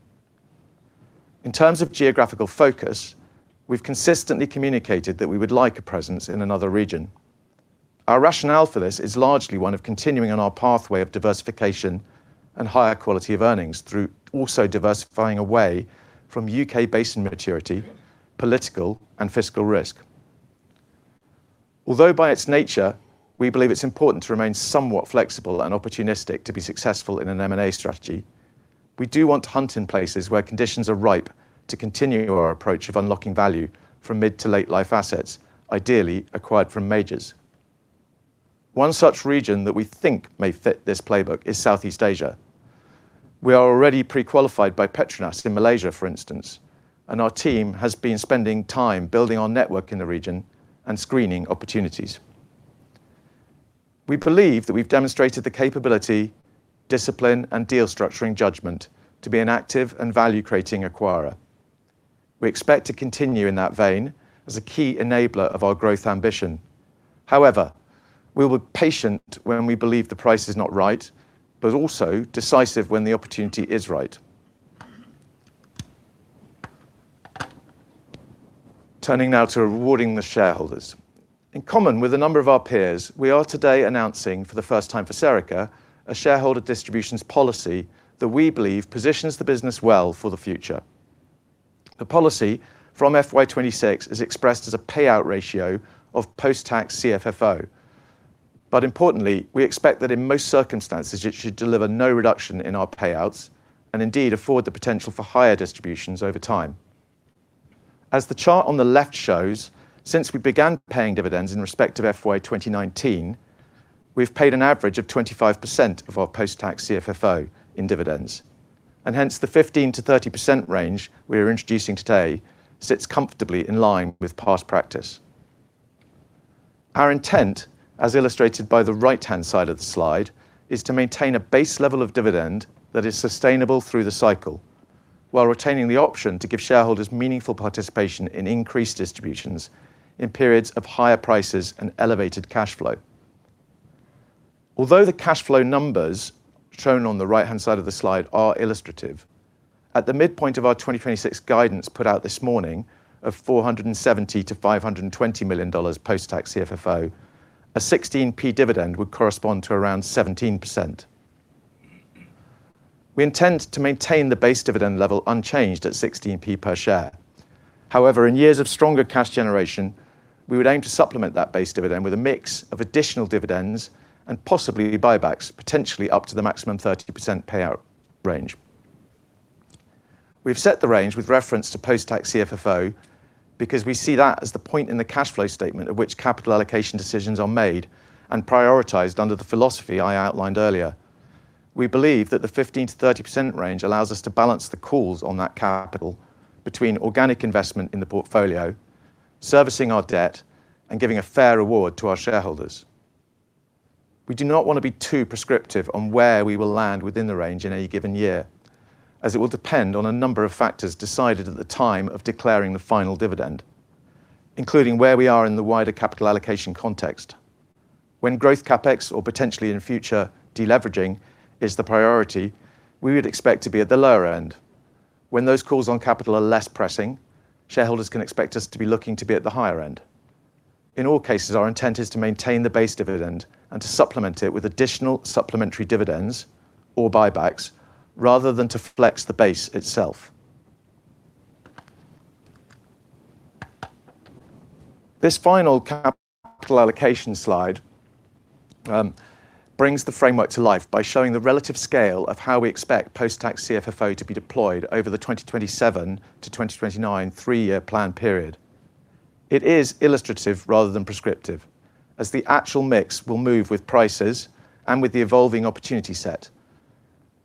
In terms of geographical focus, we've consistently communicated that we would like a presence in another region. Our rationale for this is largely one of continuing on our pathway of diversification and higher quality of earnings through also diversifying away from U.K. basin maturity, political and fiscal risk. Although by its nature, we believe it's important to remain somewhat flexible and opportunistic to be successful in an M&A strategy, we do want to hunt in places where conditions are ripe to continue our approach of unlocking value from mid- to late-life assets, ideally acquired from majors. One such region that we think may fit this playbook is Southeast Asia. We are already pre-qualified by PETRONAS in Malaysia, for instance, and our team has been spending time building our network in the region and screening opportunities. We believe that we've demonstrated the capability, discipline, and deal structuring judgment to be an active and value-creating acquirer. We expect to continue in that vein as a key enabler of our growth ambition. However, we were patient when we believe the price is not right, but also decisive when the opportunity is right. Turning now to rewarding the shareholders. In common with a number of our peers, we are today announcing for the first time for Serica, a shareholder distributions policy that we believe positions the business well for the future. The policy from FY 2026 is expressed as a payout ratio of post-tax CFFO. Importantly, we expect that in most circumstances it should deliver no reduction in our payouts and indeed afford the potential for higher distributions over time. As the chart on the left shows, since we began paying dividends in respect of FY 2019, we've paid an average of 25% of our post-tax CFFO in dividends, and hence the 15%-30% range we are introducing today sits comfortably in line with past practice. Our intent, as illustrated by the right-hand side of the slide, is to maintain a base level of dividend that is sustainable through the cycle while retaining the option to give shareholders meaningful participation in increased distributions in periods of higher prices and elevated cash flow. Although the cash flow numbers shown on the right-hand side of the slide are illustrative, at the midpoint of our 2026 guidance put out this morning of GBP 470 million-GBP 520 million post-tax CFFO, a 0.16 dividend would correspond to around 17%. We intend to maintain the base dividend level unchanged at 0.16 per share. In years of stronger cash generation, we would aim to supplement that base dividend with a mix of additional dividends and possibly buybacks, potentially up to the maximum 30% payout range. We've set the range with reference to post-tax CFFO because we see that as the point in the cash flow statement at which capital allocation decisions are made and prioritized under the philosophy I outlined earlier. We believe that the 15%-30% range allows us to balance the calls on that capital between organic investment in the portfolio, servicing our debt, and giving a fair reward to our shareholders. We do not want to be too prescriptive on where we will land within the range in any given year, as it will depend on a number of factors decided at the time of declaring the final dividend, including where we are in the wider capital allocation context. When growth CapEx or potentially in future deleveraging is the priority, we would expect to be at the lower end. When those calls on capital are less pressing, shareholders can expect us to be looking to be at the higher end. In all cases, our intent is to maintain the base dividend and to supplement it with additional supplementary dividends or buybacks rather than to flex the base itself. This final capital allocation slide brings the framework to life by showing the relative scale of how we expect post-tax CFFO to be deployed over the 2027-2029 three-year plan period. It is illustrative rather than prescriptive, as the actual mix will move with prices and with the evolving opportunity set.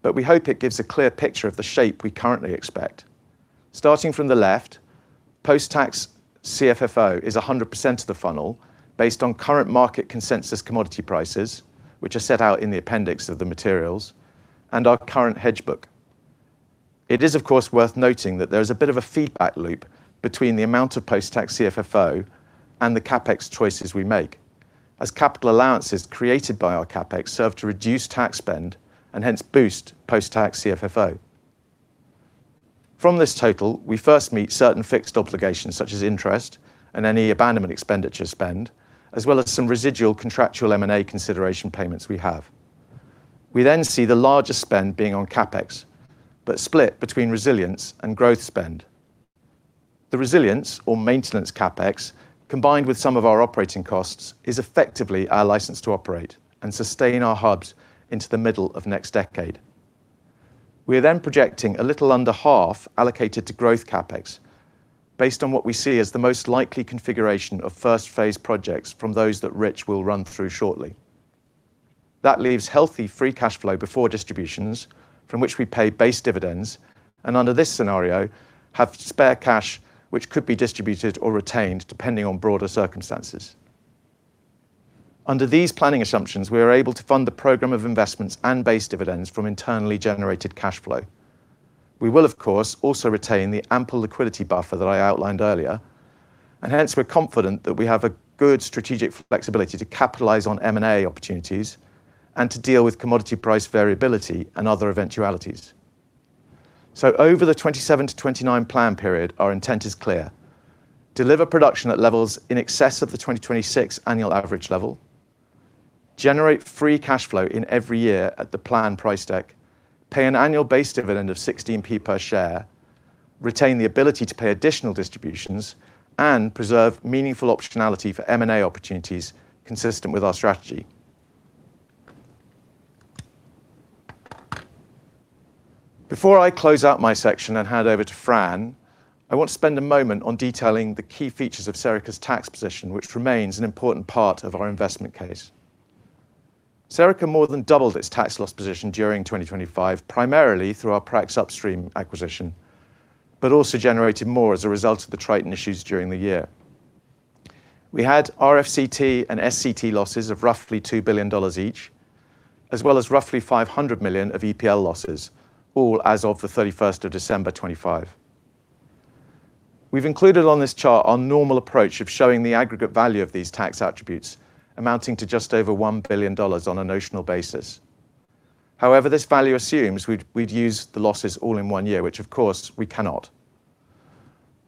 We hope it gives a clear picture of the shape we currently expect. Starting from the left, post-tax CFFO is 100% of the funnel based on current market consensus commodity prices, which are set out in the appendix of the materials and our current hedge book. It is, of course, worth noting that there is a bit of a feedback loop between the amount of post-tax CFFO and the CapEx choices we make, as capital allowances created by our CapEx serve to reduce tax spend and hence boost post-tax CFFO. From this total, we first meet certain fixed obligations such as interest and any abandonment expenditure spend, as well as some residual contractual M&A consideration payments we have. We then see the largest spend being on CapEx, but split between resilience and growth spend. The resilience or maintenance CapEx, combined with some of our operating costs, is effectively our license to operate and sustain our hubs into the middle of next decade. We are then projecting a little under half allocated to growth CapEx based on what we see as the most likely configuration of first-phase projects from those that Rich will run through shortly. That leaves healthy free cash flow before distributions from which we pay base dividends and under this scenario, have spare cash which could be distributed or retained depending on broader circumstances. Under these planning assumptions, we are able to fund the program of investments and base dividends from internally generated cash flow. We will, of course, also retain the ample liquidity buffer that I outlined earlier, and hence we are confident that we have a good strategic flexibility to capitalize on M&A opportunities and to deal with commodity price variability and other eventualities. Over the 2027-2029 plan period, our intent is clear: deliver production at levels in excess of the 2026 annual average level, generate free cash flow in every year at the plan price deck, pay an annual base dividend of 16P per share, retain the ability to pay additional distributions, and preserve meaningful optionality for M&A opportunities consistent with our strategy. Before I close out my section and hand over to Fran, I want to spend a moment on detailing the key features of Serica's tax position, which remains an important part of our investment case. Serica more than doubled its tax loss position during 2025, primarily through our Prax Upstream acquisition, but also generated more as a result of the Triton issues during the year. We had RFCT and SCT losses of roughly $2 billion each, as well as roughly $500 million of EPL losses, all as of the 31st of December 2025. We've included on this chart our normal approach of showing the aggregate value of these tax attributes amounting to just over $1 billion on a notional basis. This value assumes we'd use the losses all in one year, which of course, we cannot.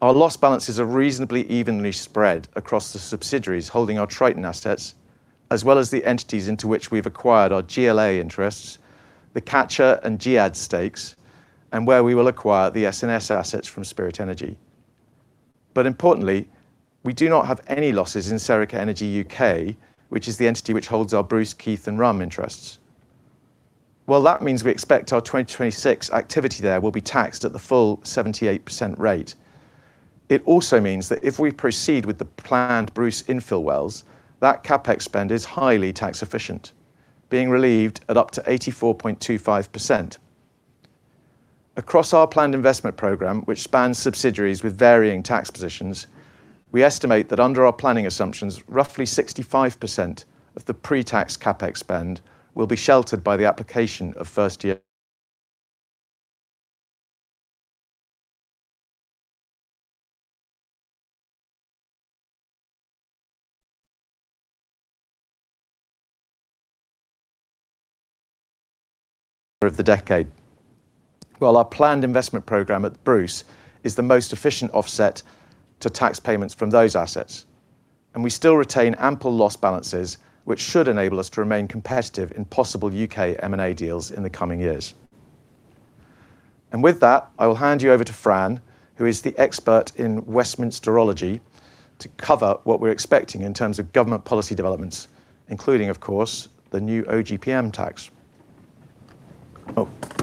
Our loss balances are reasonably evenly spread across the subsidiaries holding our Triton assets, as well as the entities into which we've acquired our GLA interests, the Catcher and GEAD stakes, and where we will acquire the SNS assets from Spirit Energy. Importantly, we do not have any losses in Serica Energy UK, which is the entity which holds our Bruce, Keith, and Rhum interests. That means we expect our 2026 activity there will be taxed at the full 78% rate, it also means that if we proceed with the planned Bruce infill wells, that CapEx spend is highly tax efficient, being relieved at up to 84.25%. Across our planned investment program, which spans subsidiaries with varying tax positions, we estimate that under our planning assumptions, roughly 65% of the pre-tax CapEx spend will be sheltered by the application of first year of the decade. Our planned investment program at Bruce is the most efficient offset to tax payments from those assets, and we still retain ample loss balances, which should enable us to remain competitive in possible U.K. M&A deals in the coming years. With that, I will hand you over to Fran, who is the expert in Westminsterology to cover what we're expecting in terms of government policy developments, including, of course, the new OGPM tax. Thanks, Martin, and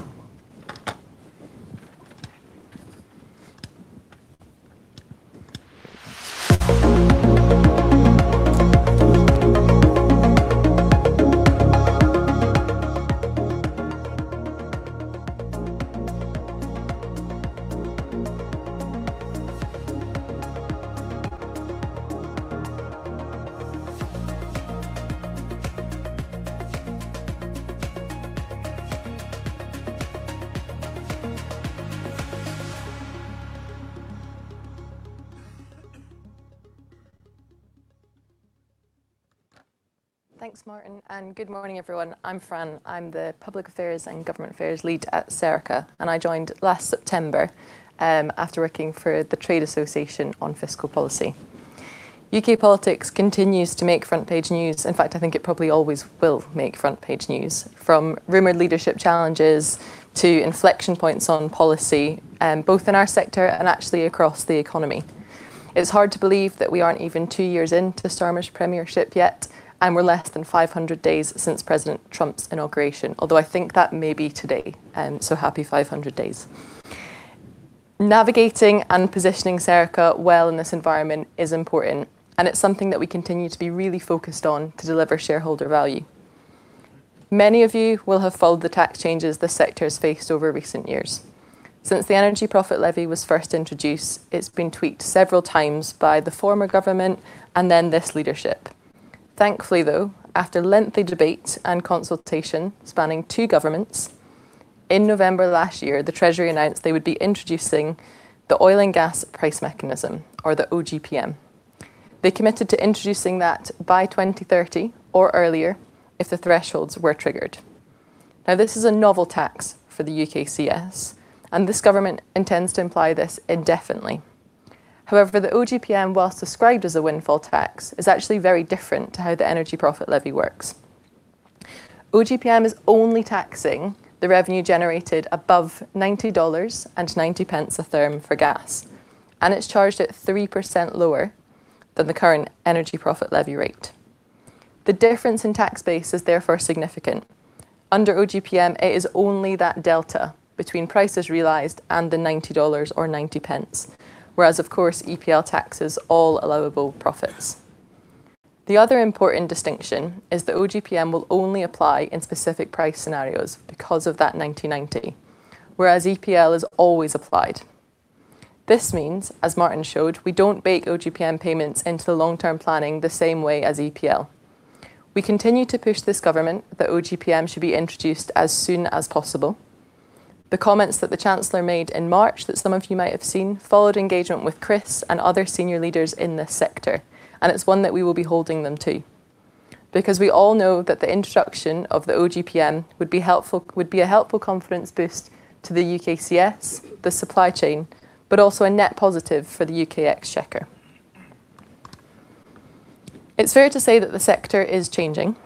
good morning, everyone. I'm Fran. I'm the public affairs and government affairs lead at Serica, and I joined last September, after working for the Trade Association on Fiscal Policy. U.K. politics continues to make front page news. In fact, I think it probably always will make front page news. From rumored leadership challenges to inflection points on policy, both in our sector and actually across the economy. It's hard to believe that we aren't even two years into Starmer's premiership yet, and we're less than 500 days since President Trump's inauguration. I think that may be today. Happy 500 days. Navigating and positioning Serica well in this environment is important, and it's something that we continue to be really focused on to deliver shareholder value. Many of you will have followed the tax changes the sector has faced over recent years. Since the Energy Profits Levy was first introduced, it's been tweaked several times by the former government and then this leadership. Thankfully, though, after lengthy debate and consultation spanning two governments, in November last year, the Treasury announced they would be introducing the Oil and Gas Price Mechanism or the OGPM. They committed to introducing that by 2030 or earlier if the thresholds were triggered. This is a novel tax for the UKCS, and this government intends to apply this indefinitely. The OGPM, whilst described as a windfall tax, is actually very different to how the Energy Profits Levy works. OGPM is only taxing the revenue generated above GBP 90.90 a therm for gas, and it's charged at 3% lower than the current Energy Profits Levy rate. The difference in tax base is therefore significant. Under OGPM, it is only that delta between prices realized and the GBP 90 or 0.90. EPL taxes all allowable profits. The other important distinction is that OGPM will only apply in specific price scenarios because of that 90.90, EPL is always applied. This means, as Martin showed, we don't bake OGPM payments into the long-term planning the same way as EPL. We continue to push this government that OGPM should be introduced as soon as possible. The comments that the Chancellor made in March, that some of you might have seen, followed engagement with Chris and other senior leaders in this sector, it's one that we will be holding them to. We all know that the introduction of the OGPM would be a helpful confidence boost to the UKCS, the supply chain, but also a net positive for the UK Exchequer. It's fair to say that the sector is changing.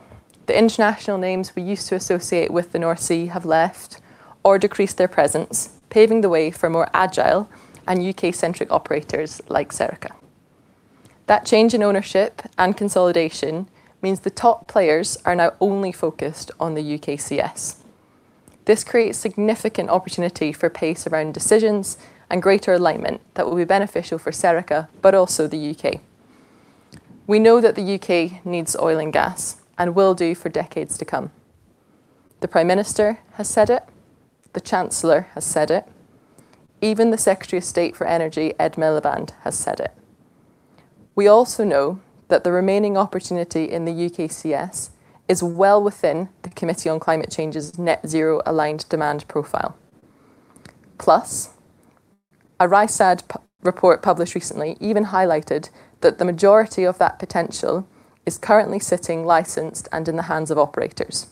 The international names we used to associate with the North Sea have left or decreased their presence, paving the way for more agile and U.K.-centric operators like Serica. That change in ownership and consolidation means the top players are now only focused on the UKCS. This creates significant opportunity for pace around decisions and greater alignment that will be beneficial for Serica but also the U.K. We know that the U.K. needs oil and gas and will do for decades to come. The Prime Minister has said it, the Chancellor has said it. Even the Secretary of State for Energy, Ed Miliband, has said it. We also know that the remaining opportunity in the UKCS is well within the Climate Change Committee's net zero aligned demand profile. A Rystad Energy report published recently even highlighted that the majority of that potential is currently sitting licensed and in the hands of operators.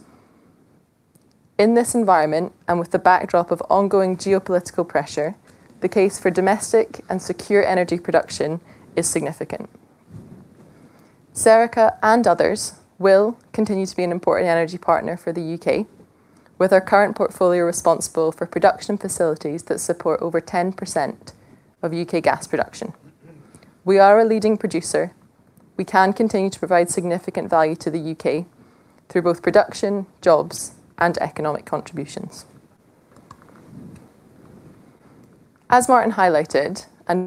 In this environment, with the backdrop of ongoing geopolitical pressure, the case for domestic and secure energy production is significant. Serica and others will continue to be an important energy partner for the U.K., with our current portfolio responsible for production facilities that support over 10% of U.K. gas production. We are a leading producer. We can continue to provide significant value to the U.K. through both production, jobs, and economic contributions. As Martin highlighted,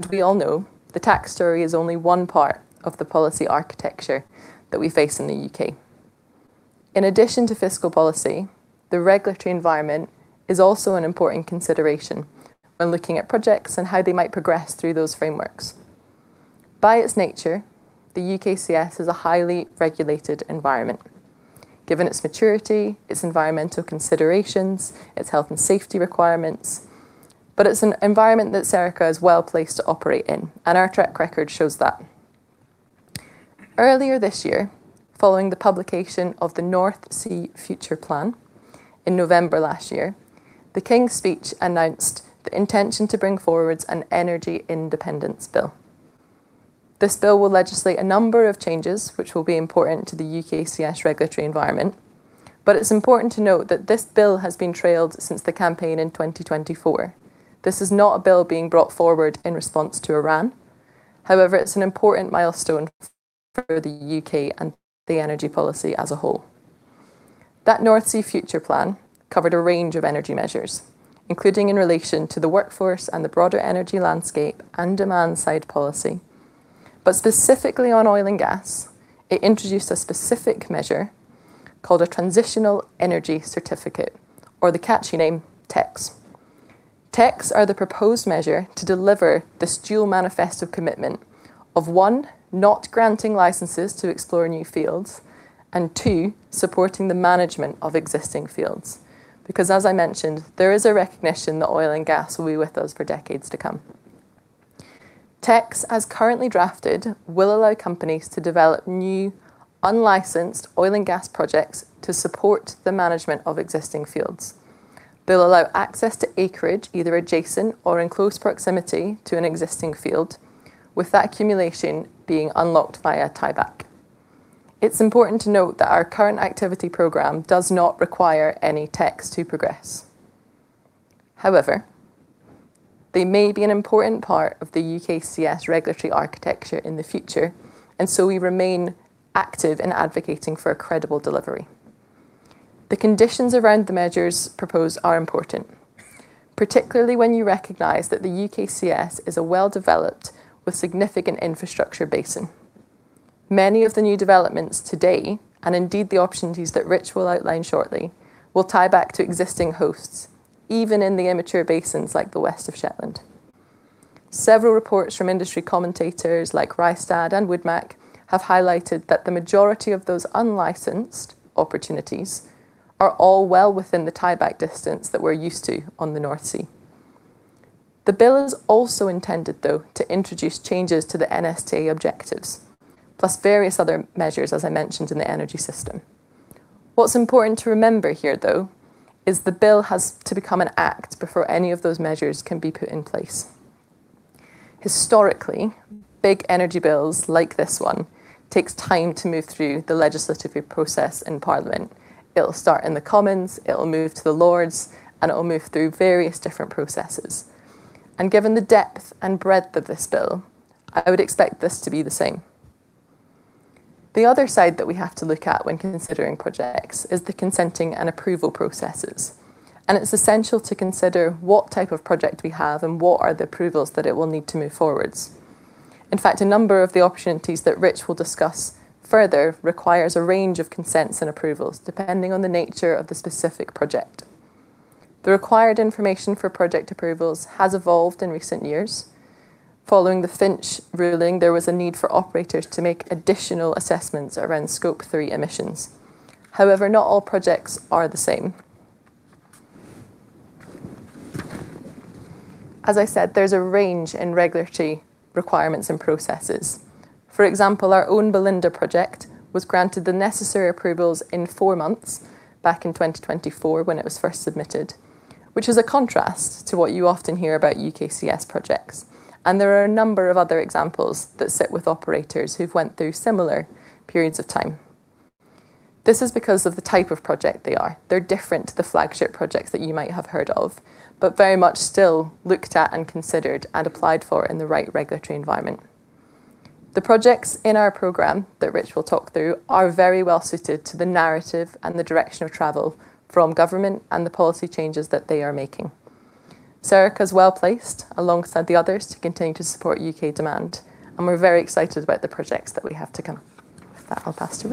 we all know, the tax story is only one part of the policy architecture that we face in the U.K. In addition to fiscal policy, the regulatory environment is also an important consideration when looking at projects and how they might progress through those frameworks. By its nature, the UKCS is a highly regulated environment, given its maturity, its environmental considerations, its health and safety requirements, but it's an environment that Serica is well-placed to operate in, and our track record shows that. Earlier this year, following the publication of the North Sea Future Plan in November last year, the King's Speech announced the intention to bring forwards an Energy Independence Bill. This bill will legislate a number of changes which will be important to the UKCS regulatory environment. It's important to note that this bill has been trailed since the campaign in 2024. This is not a bill being brought forward in response to Iran. It's an important milestone for the U.K. and the energy policy as a whole. That North Sea Future Plan covered a range of energy measures, including in relation to the workforce and the broader energy landscape and demand-side policy. Specifically on oil and gas, it introduced a specific measure called a Transitional Energy Certificate, or the catchy name TECs. TECs are the proposed measure to deliver this dual manifest of commitment of, one, not granting licenses to explore new fields, and two, supporting the management of existing fields. As I mentioned, there is a recognition that oil and gas will be with us for decades to come. TECs, as currently drafted, will allow companies to develop new, unlicensed oil and gas projects to support the management of existing fields. They'll allow access to acreage either adjacent or in close proximity to an existing field, with that accumulation being unlocked via tieback. It's important to note that our current activity program does not require any TECs to progress. However, they may be an important part of the UKCS regulatory architecture in the future, and so we remain active in advocating for a credible delivery. The conditions around the measures proposed are important, particularly when you recognize that the UKCS is a well-developed, with significant infrastructure basin. Many of the new developments today, and indeed the opportunities that Rich will outline shortly, will tie back to existing hosts, even in the immature basins like the West of Shetland. Several reports from industry commentators like Rystad and Woodmac have highlighted that the majority of those unlicensed opportunities are all well within the tieback distance that we're used to on the North Sea. The bill is also intended, though, to introduce changes to the NSTA objectives, plus various other measures, as I mentioned, in the energy system. What's important to remember here, though, is the bill has to become an act before any of those measures can be put in place. Historically, big energy bills like this one takes time to move through the legislative process in Parliament. It'll start in the Commons, it'll move to the Lords, and it will move through various different processes. Given the depth and breadth of this bill, I would expect this to be the same. The other side that we have to look at when considering projects is the consenting and approval processes, and it's essential to consider what type of project we have and what are the approvals that it will need to move forwards. In fact, a number of the opportunities that Rich will discuss further requires a range of consents and approvals depending on the nature of the specific project. The required information for project approvals has evolved in recent years. Following the Finch ruling, there was a need for operators to make additional assessments around Scope 3 emissions. Not all projects are the same. As I said, there's a range in regulatory requirements and processes. For example, our own Belinda project was granted the necessary approvals in four months back in 2024 when it was first submitted, which is a contrast to what you often hear about UKCS projects. There are a number of other examples that sit with operators who've went through similar periods of time. This is because of the type of project they are. They're different to the flagship projects that you might have heard of, very much still looked at and considered and applied for in the right regulatory environment. The projects in our program that Rich will talk through are very well-suited to the narrative and the direction of travel from government and the policy changes that they are making. Serica's well-placed alongside the others to continue to support U.K. demand, we're very excited about the projects that we have to come. With that, I'll pass to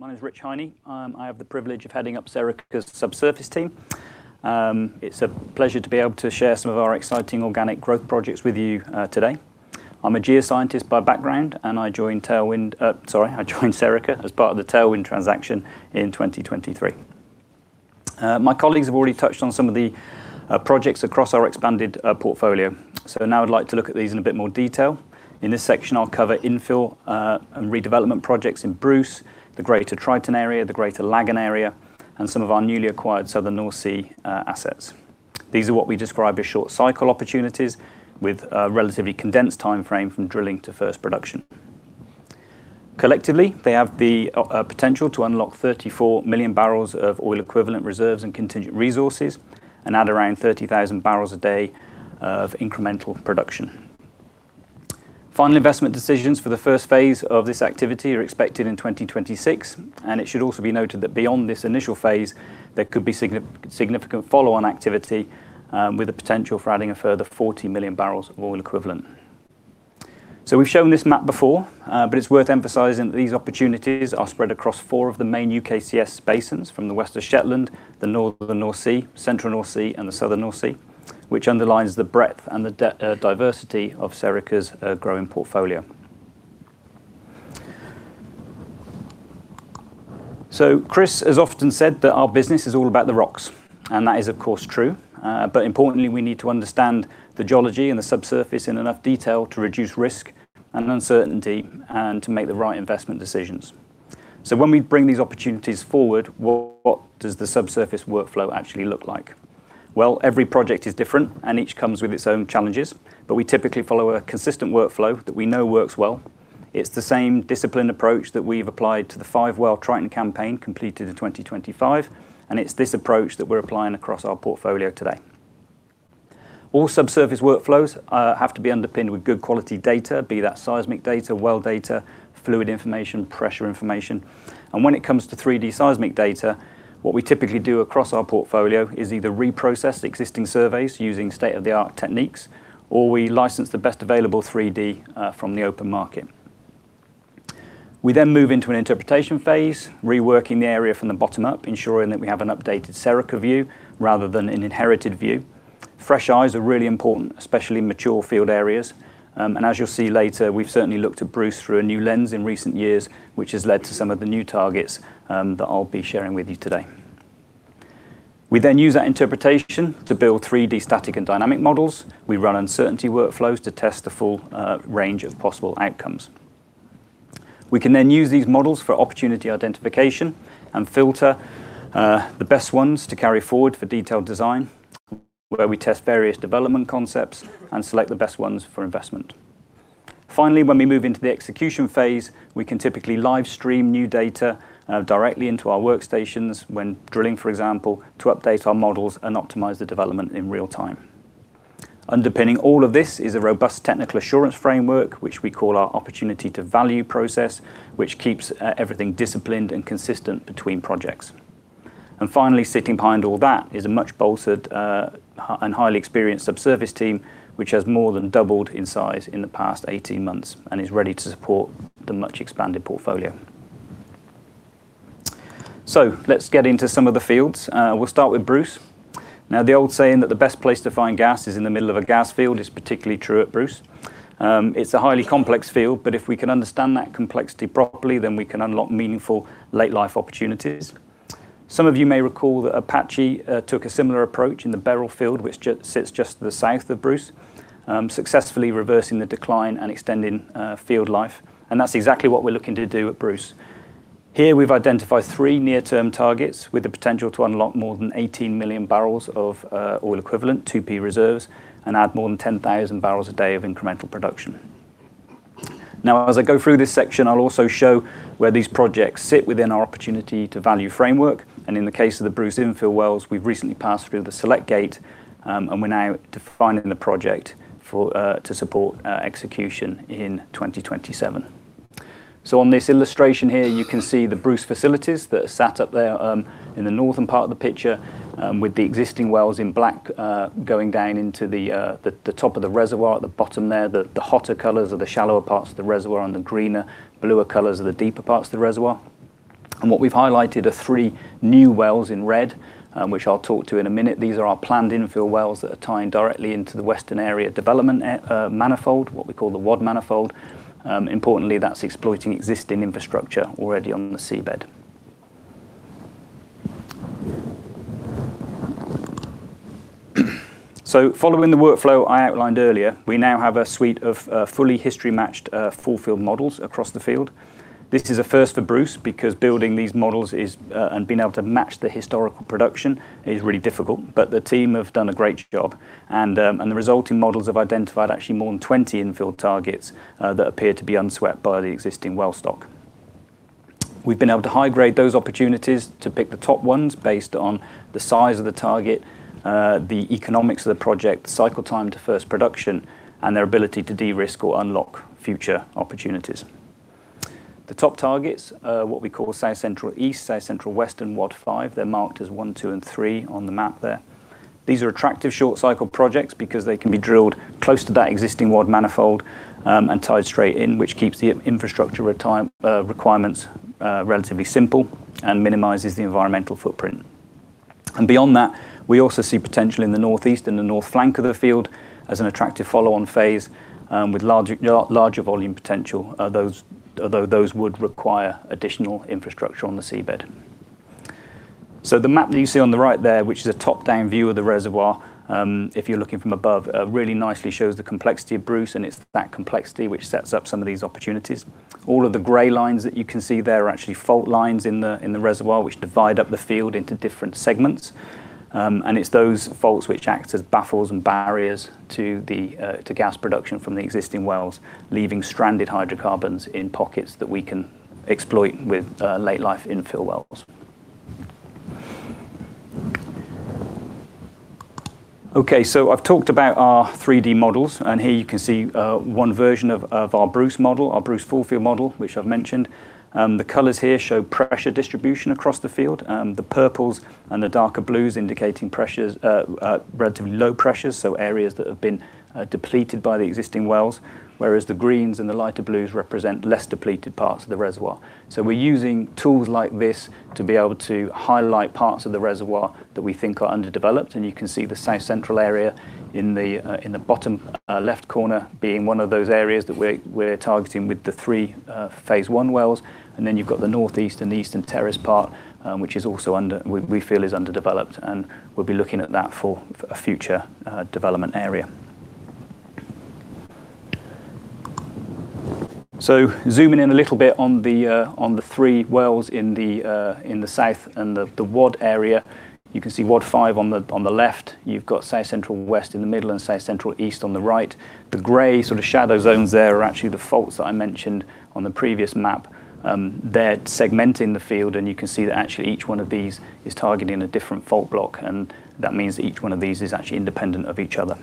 Rich. Thank you, Fran. Good morning, everyone. My name is Rich Hiney. I have the privilege of heading up Serica's subsurface team. It's a pleasure to be able to share some of our exciting organic growth projects with you today. I'm a geoscientist by background, and I joined Serica as part of the Tailwind transaction in 2023. My colleagues have already touched on some of the projects across our expanded portfolio. Now I'd like to look at these in a bit more detail. In this section, I'll cover infill and redevelopment projects in Bruce, the greater Triton Area, the Greater Laggan Area, and some of our newly acquired southern North Sea assets. These are what we describe as short-cycle opportunities with a relatively condensed timeframe from drilling to first production. Collectively, they have the potential to unlock 34 million BOE reserves and contingent resources and add around 30,000bpd of incremental production. Final investment decisions for the first phase of this activity are expected in 2026. It should also be noted that beyond this initial phase, there could be significant follow-on activity with the potential for adding a further 40 million BOE. We've shown this map before. It's worth emphasizing that these opportunities are spread across four of the main UKCS basins from the west of Shetland, the northern North Sea, central North Sea, and the southern North Sea, which underlines the breadth and the diversity of Serica's growing portfolio. Chris has often said that our business is all about the rocks. That is, of course, true. Importantly, we need to understand the geology and the subsurface in enough detail to reduce risk and uncertainty and to make the right investment decisions. When we bring these opportunities forward, what does the subsurface workflow actually look like? Every project is different, and each comes with its own challenges, but we typically follow a consistent workflow that we know works well. It's the same disciplined approach that we've applied to the five-well Triton campaign completed in 2025, and it's this approach that we're applying across our portfolio today. All subsurface workflows have to be underpinned with good quality data, be that seismic data, well data, fluid information, pressure information. When it comes to 3D seismic data, what we typically do across our portfolio is either reprocess existing surveys using state-of-the-art techniques, or we license the best available 3D from the open market. We move into an interpretation phase, reworking the area from the bottom up, ensuring that we have an updated Serica view rather than an inherited view. Fresh eyes are really important, especially in mature field areas. As you'll see later, we've certainly looked at Bruce through a new lens in recent years, which has led to some of the new targets that I'll be sharing with you today. We use that interpretation to build 3D static and dynamic models. We run uncertainty workflows to test the full range of possible outcomes. We can then use these models for opportunity identification and filter the best ones to carry forward for detailed design, where we test various development concepts and select the best ones for investment. Finally, when we move into the execution phase, we can typically live stream new data directly into our workstations when drilling, for example, to update our models and optimize the development in real time. Underpinning all of this is a robust technical assurance framework, which we call our opportunity to value process, which keeps everything disciplined and consistent between projects. Finally, sitting behind all that is a much bolstered and highly experienced subsurface team, which has more than doubled in size in the past 18 months and is ready to support the much expanded portfolio. Let's get into some of the fields. We'll start with Bruce. Now, the old saying that the best place to find gas is in the middle of a gas field is particularly true at Bruce. It's a highly complex field, but if we can understand that complexity properly, then we can unlock meaningful late life opportunities. Some of you may recall that Apache took a similar approach in the Beryl field, which sits just to the south of Bruce, successfully reversing the decline and extending field life. That's exactly what we're looking to do at Bruce. Here we've identified three near term targets with the potential to unlock more than 18 million BOE 2P reserves and add more than 10,000 bpd of incremental production. Now, as I go through this section, I'll also show where these projects sit within our opportunity to value framework. In the case of the Bruce infill wells, we've recently passed through the select gate, and we're now defining the project to support execution in 2027. On this illustration here you can see the Bruce facilities that are sat up there in the northern part of the picture with the existing wells in black going down into the top of the reservoir at the bottom there. The hotter colors are the shallower parts of the reservoir, and the greener, bluer colors are the deeper parts of the reservoir. What we've highlighted are three new wells in red, which I'll talk to in a minute. These are our planned infill wells that are tying directly into the western area development manifold, what we call the WAD manifold. Importantly, that's exploiting existing infrastructure already on the seabed. Following the workflow I outlined earlier, we now have a suite of fully history matched full field models across the field. This is a first for Bruce because building these models and being able to match the historical production is really difficult. The team have done a great job, and the resulting models have identified actually more than 20 infill targets that appear to be unswept by the existing well stock. We've been able to high-grade those opportunities to pick the top ones based on the size of the target, the economics of the project, the cycle time to first production, and their ability to de-risk or unlock future opportunities. The top targets are what we call South Central East, South Central West, and WAD 5. They're marked as one, two, and three on the map there. These are attractive short cycle projects because they can be drilled close to that existing WAD manifold and tied straight in, which keeps the infrastructure requirements relatively simple and minimizes the environmental footprint. Beyond that, we also see potential in the northeast and the north flank of the field as an attractive follow-on phase with larger volume potential, although those would require additional infrastructure on the seabed. The map that you see on the right there, which is a top-down view of the reservoir, if you're looking from above, really nicely shows the complexity of Bruce, and it is that complexity which sets up some of these opportunities. All of the gray lines that you can see there are actually fault lines in the reservoir, which divide up the field into different segments. It is those faults which act as baffles and barriers to gas production from the existing wells, leaving stranded hydrocarbons in pockets that we can exploit with late life infill wells. Okay, I've talked about our 3D models, and here you can see one version of our Bruce model, our Bruce full field model, which I've mentioned. The colors here show pressure distribution across the field. The purples and the darker blues indicating relatively low pressures, areas that have been depleted by the existing wells, whereas the greens and the lighter blues represent less depleted parts of the reservoir. We're using tools like this to be able to highlight parts of the reservoir that we think are underdeveloped. You can see the south central area in the bottom left corner being one of those areas that we're targeting with the three Phase 1 wells. You've got the northeast and eastern terrace part, which we feel is underdeveloped, and we'll be looking at that for a future development area. Zooming in a little bit on the three wells in the south and the WAD area. You can see WAD 5 on the left. You've got South Central West in the middle and South Central East on the right. The gray sort of shadow zones there are actually the faults that I mentioned on the previous map. They're segmenting the field, and you can see that actually each one of these is targeting a different fault block, and that means that each one of these is actually independent of each other.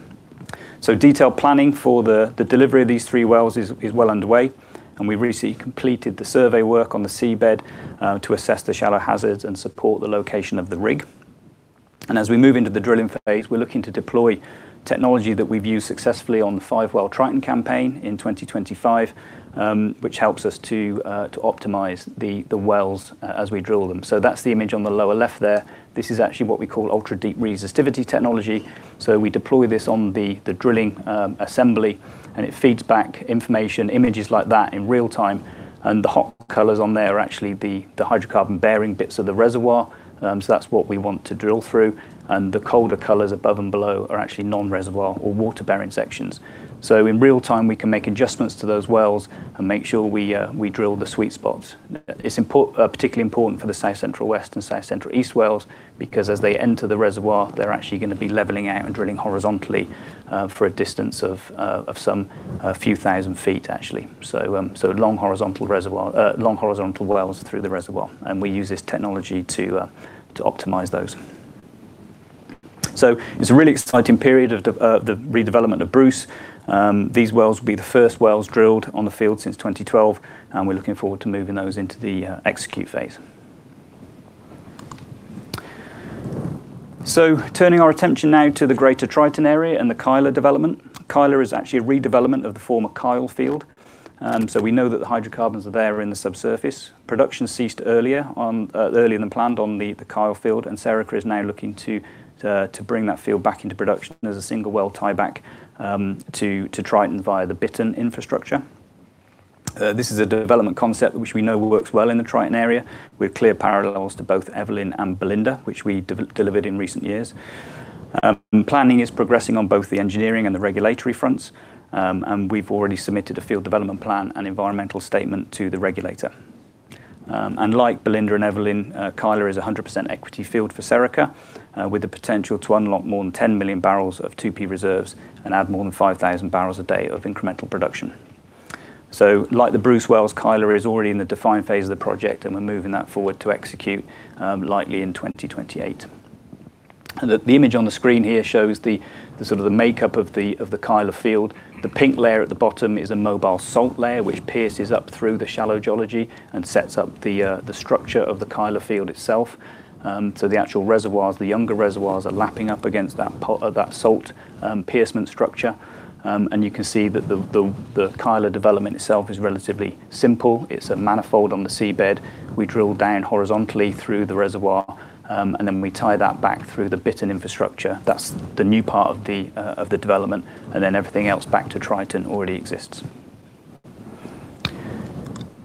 Detailed planning for the delivery of these three wells is well underway. We recently completed the survey work on the seabed to assess the shallow hazards and support the location of the rig. As we move into the drilling phase, we're looking to deploy technology that we've used successfully on the five-well Triton campaign in 2025, which helps us to optimize the wells as we drill them. That's the image on the lower left there. This is actually what we call ultra-deep resistivity technology. We deploy this on the drilling assembly, and it feeds back information, images like that in real time. The hot colors on there are actually the hydrocarbon-bearing bits of the reservoir. That's what we want to drill through. The colder colors above and below are actually non-reservoir or water-bearing sections. In real time, we can make adjustments to those wells and make sure we drill the sweet spots. It's particularly important for the South Central West and South Central East wells, because as they enter the reservoir, they're actually going to be leveling out and drilling horizontally for a distance of some few thousand feet, actually. Long horizontal wells through the reservoir. We use this technology to optimize those. It's a really exciting period of the redevelopment of Bruce. These wells will be the first wells drilled on the field since 2012, and we're looking forward to moving those into the execute phase. Turning our attention now to the Greater Triton Area and the Kyla development. Kyla is actually a redevelopment of the former Kyle field. We know that the hydrocarbons are there in the subsurface. Production ceased earlier than planned on the Kyla field. Serica is now looking to bring that field back into production as a single well tieback to Triton via the Triton infrastructure. This is a development concept which we know works well in the Triton area with clear parallels to both Evelyn and Belinda, which we delivered in recent years. Planning is progressing on both the engineering and the regulatory fronts. We've already submitted a field development plan and environmental statement to the regulator. Like Belinda and Evelyn, Kyla is a 100% equity field for Serica, with the potential to unlock more than 10 million barrels of 2P reserves and add more than 5,000bpd of incremental production. Like the Bruce wells, Kyla is already in the define phase of the project, and we're moving that forward to execute likely in 2028. The image on the screen here shows the makeup of the Kyla field. The pink layer at the bottom is a mobile salt layer, which pierces up through the shallow geology and sets up the structure of the Kyla field itself. The actual reservoirs, the younger reservoirs, are lapping up against that salt piercement structure. You can see that the Kyla development itself is relatively simple. It's a manifold on the seabed. We drill down horizontally through the reservoir, and then we tie that back through the Bittern infrastructure. That's the new part of the development, and then everything else back to Triton already exists.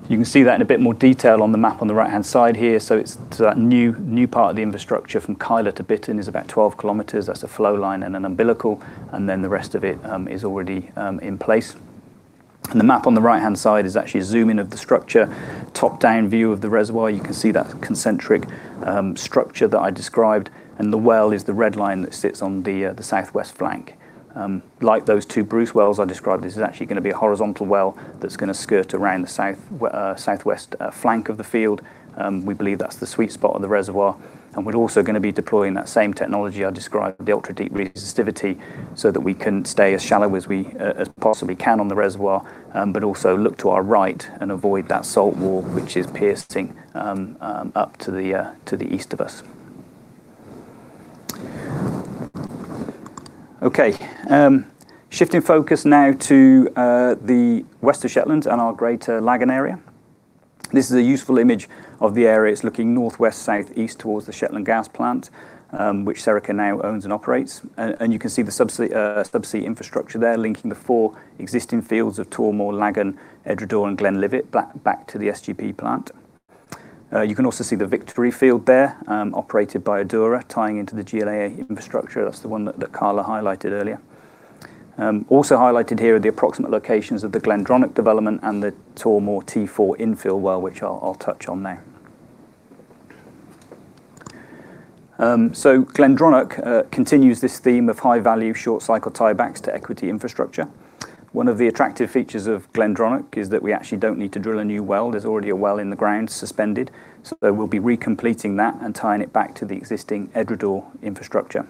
You can see that in a bit more detail on the map on the right-hand side here. It's that new part of the infrastructure from Kyla to Bittern is about 12 km. That's a flow line and an umbilical, then the rest of it is already in place. The map on the right-hand side is actually a zoom-in of the structure, top-down view of the reservoir. You can see that concentric structure that I described, and the well is the red line that sits on the southwest flank. Like those two Bruce wells I described, this is actually going to be a horizontal well that's going to skirt around the southwest flank of the field. We believe that's the sweet spot of the reservoir. We're also going to be deploying that same technology I described, the ultra-deep resistivity, so that we can stay as shallow as we possibly can on the reservoir, but also look to our right and avoid that salt wall, which is piercing up to the east of us. Okay. Shifting focus now to the west of Shetland and our Greater Laggan Area. This is a useful image of the area. It's looking northwest, southeast towards the Shetland Gas Plant, which Serica now owns and operates. You can see the subsea infrastructure there linking the four existing fields of Tormore, Laggan, Edradour, and Glenlivet back to the SGP plant. You can also see the Victory field there, operated by Adura, tying into the GLA infrastructure. That's the one that Carla highlighted earlier. Also highlighted here are the approximate locations of the Glendronach development and the Tormore T4 infill well, which I'll touch on now. Glendronach continues this theme of high-value, short-cycle tiebacks to equity infrastructure. One of the attractive features of Glendronach is that we actually don't need to drill a new well. There's already a well in the ground suspended. We'll be recompleting that and tying it back to the existing Edradour infrastructure.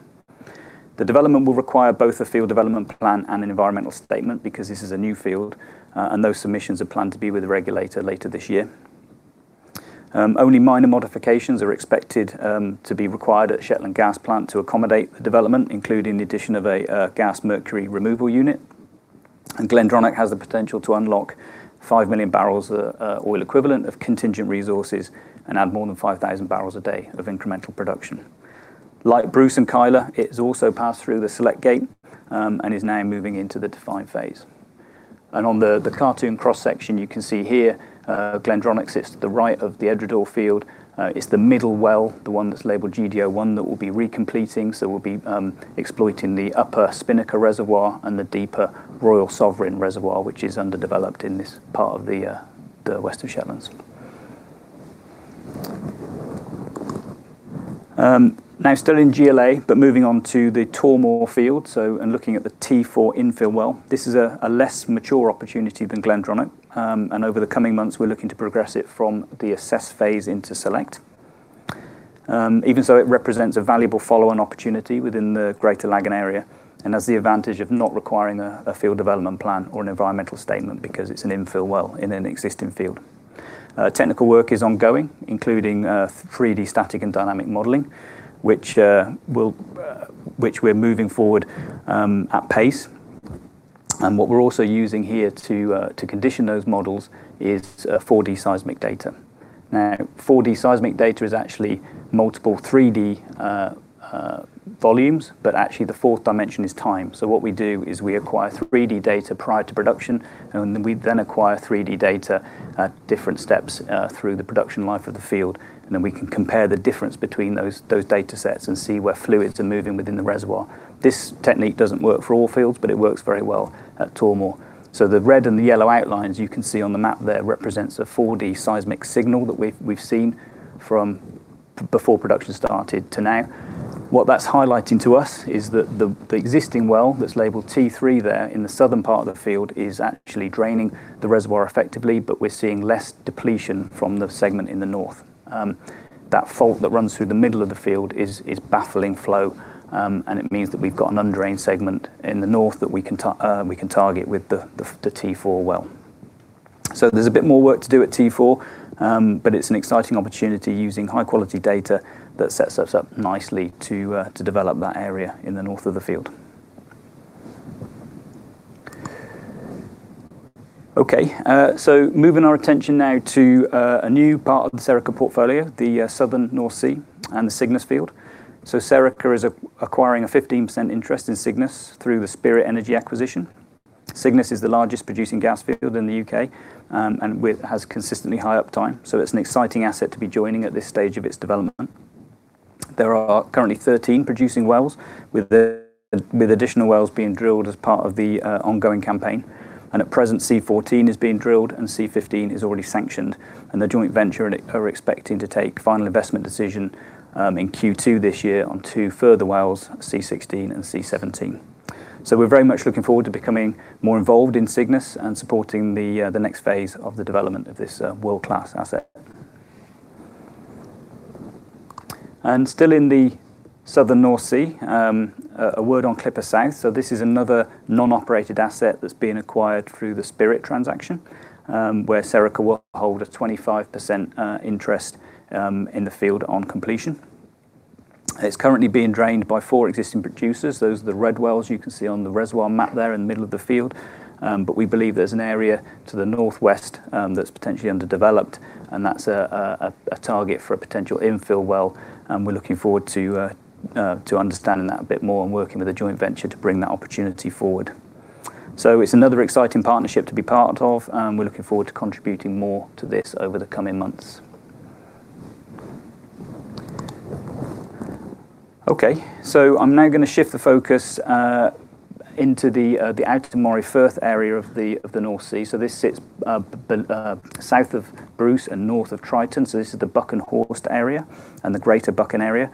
The development will require both a Field Development Plan and an environmental statement because this is a new field, and those submissions are planned to be with the regulator later this year. Only minor modifications are expected to be required at Shetland Gas Plant to accommodate the development, including the addition of a gas mercury removal unit. Glendronach has the potential to unlock 5 million BOE of contingent resources and add more than 5,000 bpd of incremental production. Like Bruce and Kyla, it's also passed through the select gate and is now moving into the define phase. On the cartoon cross-section you can see here, Glendronach sits to the right of the Edradour field. It's the middle well, the one that's labeled GD-01 that we'll be recompleting. We'll be exploiting the upper Spinnaker reservoir and the deeper Royal Sovereign reservoir, which is underdeveloped in this part of the West of Shetland. Now, still in GLA, but moving on to the Tormore field, and looking at the T4 infill well. This is a less mature opportunity than Glendronach. Over the coming months, we're looking to progress it from the assess phase into select. Even so, it represents a valuable follow-on opportunity within the Greater Laggan Area and has the advantage of not requiring a Field Development Plan or an environmental statement because it's an infill well in an existing field. Technical work is ongoing, including 3D static and dynamic modeling, which we're moving forward at pace. What we're also using here to condition those models is 4D seismic data. 4D seismic data is actually multiple 3D volumes, but actually the fourth dimension is time. What we do is we acquire 3D data prior to production, and we then acquire 3D data at different steps through the production life of the field, and then we can compare the difference between those data sets and see where fluids are moving within the reservoir. This technique doesn't work for all fields, but it works very well at Tormore. The red and the yellow outlines you can see on the map there represents a 4D seismic signal that we've seen from before production started to now. What that's highlighting to us is that the existing well that's labeled T3 there in the southern part of the field is actually draining the reservoir effectively, but we're seeing less depletion from the segment in the north. That fault that runs through the middle of the field is baffling flow. It means that we've got an undrained segment in the north that we can target with the T4 well. There's a bit more work to do at T4, but it's an exciting opportunity using high-quality data that sets us up nicely to develop that area in the north of the field. Okay. Moving our attention now to a new part of the Serica portfolio, the Southern North Sea and the Cygnus field. Serica is acquiring a 15% interest in Cygnus through the Spirit Energy acquisition. Cygnus is the largest producing gas field in the U.K. It has consistently high uptime. It's an exciting asset to be joining at this stage of its development. There are currently 13 producing wells, with additional wells being drilled as part of the ongoing campaign, at present, C14 is being drilled and C15 is already sanctioned. The joint venture are expecting to take final investment decision in Q2 this year on two further wells, C16 and C17. We're very much looking forward to becoming more involved in Cygnus and supporting the next phase of the development of this world-class asset. Still in the Southern North Sea, a word on Clipper South. This is another non-operated asset that's being acquired through the Spirit transaction, where Serica will hold a 25% interest in the field on completion. It's currently being drained by four existing producers. Those are the red wells you can see on the reservoir map there in the middle of the field. We believe there's an area to the northwest that's potentially underdeveloped, and that's a target for a potential infill well, and we're looking forward to understanding that a bit more and working with the joint venture to bring that opportunity forward. It's another exciting partnership to be part of, and we're looking forward to contributing more to this over the coming months. I'm now going to shift the focus into the Outer Moray Firth area of the North Sea. This sits south of Bruce and north of Triton. This is the Buchan Horst area and the greater Buchan area.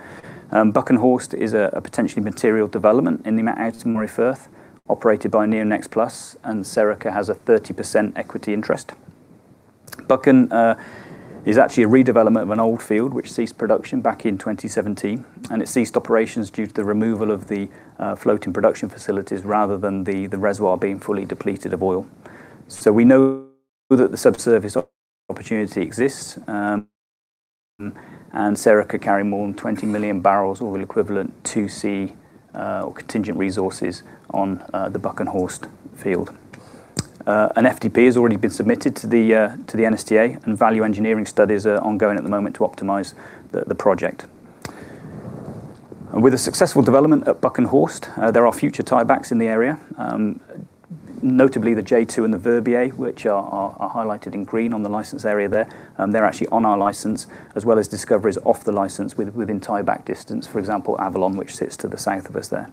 Buchan Horst is a potentially material development in the Outer Moray Firth, operated by NEO Energy, and Serica has a 30% equity interest. Buchan is actually a redevelopment of an old field which ceased production back in 2017. It ceased operations due to the removal of the floating production facilities rather than the reservoir being fully depleted of oil. We know that the subsurface opportunity exists. Serica carry more than 20 million barrels oil equivalent 2C or contingent resources on the Buchan Horst field. An FDP has already been submitted to the NSTA. Value engineering studies are ongoing at the moment to optimize the project. With a successful development at Buchan Horst, there are future tiebacks in the area, notably the J2 and the Verbier, which are highlighted in green on the license area there. They're actually on our license as well as discoveries off the license within tieback distance. For example, Avalon, which sits to the south of us there.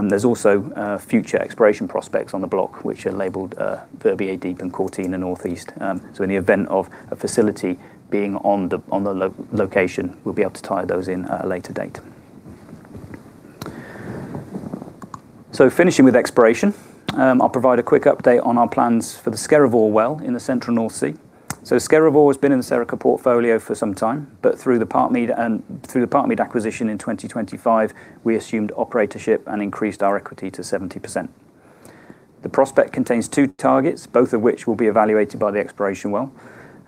There's also future exploration prospects on the block, which are labeled Verbier Deep and Cortina Northeast. In the event of a facility being on the location, we'll be able to tie those in at a later date. Finishing with exploration, I'll provide a quick update on our plans for the Skerryvore well in the Central North Sea. Skerryvore has been in the Serica portfolio for some time, but through the Parkmead acquisition in 2025, we assumed operatorship and increased our equity to 70%. The prospect contains two targets, both of which will be evaluated by the exploration well.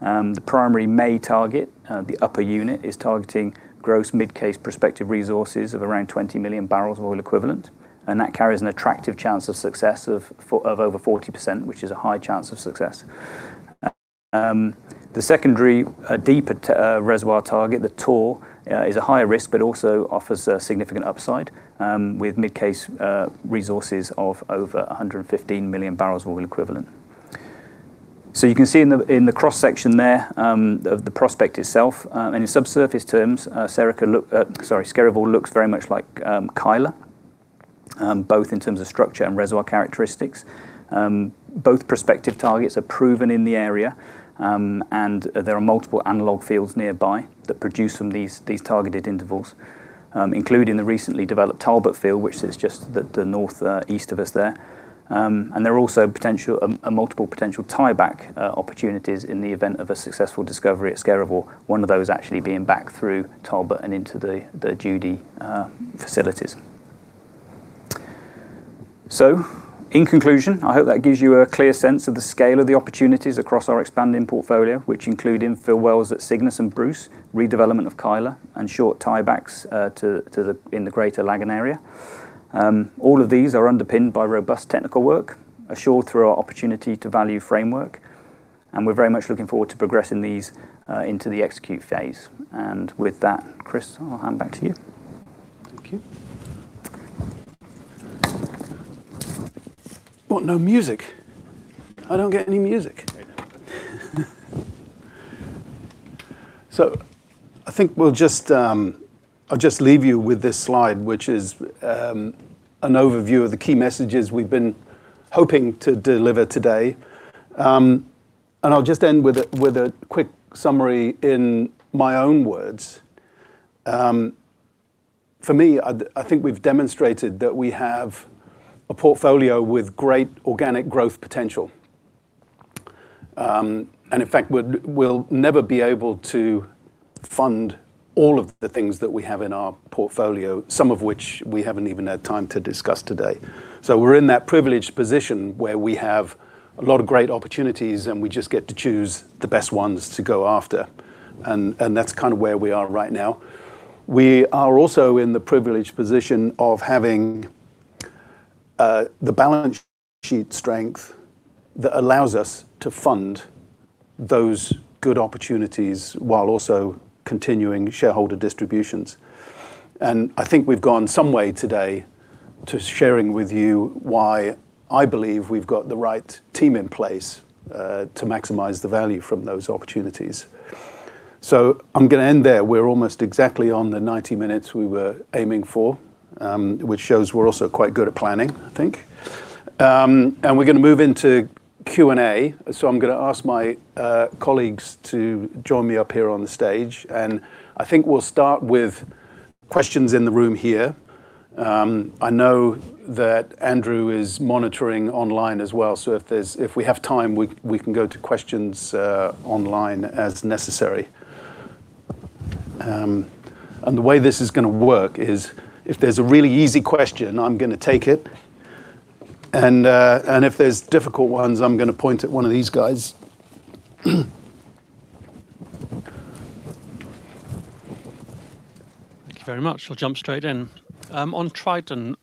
The primary Mey target, the upper unit, is targeting gross mid case prospective resources of around 20 million BOE, and that carries an attractive chance of success of over 40%, which is a high chance of success. The secondary deeper reservoir target, the Tor, is a higher risk, but also offers a significant upside with mid case resources of over 115 million BOE. You can see in the cross-section there of the prospect itself, and in subsurface terms, Skerryvore looks very much like Kyla, both in terms of structure and reservoir characteristics. Both prospective targets are proven in the area. There are multiple analog fields nearby that produce from these targeted intervals, including the recently developed Talbot Field, which sits just the northeast of us there. There are also multiple potential tieback opportunities in the event of a successful discovery at Skerryvore. One of those actually being back through Talbot and into the Judy facilities. In conclusion, I hope that gives you a clear sense of the scale of the opportunities across our expanding portfolio, which include infill wells at Cygnus and Bruce, redevelopment of Kyla and short tiebacks in the Greater Laggan Area. All of these are underpinned by robust technical work, assured through our opportunity to value framework, and we're very much looking forward to progressing these into the execute phase. With that, Chris, I'll hand back to you. Thank you. What, no music? I don't get any music. I think I'll just leave you with this slide, which is an overview of the key messages we've been hoping to deliver today. I'll just end with a quick summary in my own words. For me, I think we've demonstrated that we have a portfolio with great organic growth potential. In fact, we'll never be able to fund all of the things that we have in our portfolio, some of which we haven't even had time to discuss today. We're in that privileged position where we have a lot of great opportunities, and we just get to choose the best ones to go after. That's kind of where we are right now. We are also in the privileged position of having the balance sheet strength that allows us to fund those good opportunities while also continuing shareholder distributions. I think we've gone some way today to sharing with you why I believe we've got the right team in place to maximize the value from those opportunities. I'm going to end there. We're almost exactly on the 90 mins we were aiming for, which shows we're also quite good at planning, I think. We're going to move into Q&A. I'm going to ask my colleagues to join me up here on the stage, and I think we'll start with questions in the room here. I know that Andrew is monitoring online as well. If we have time, we can go to questions online as necessary. The way this is going to work is if there's a really easy question, I'm going to take it, and if there's difficult ones, I'm going to point at one of these guys. Thank you very much. I'll jump straight in. On Triton,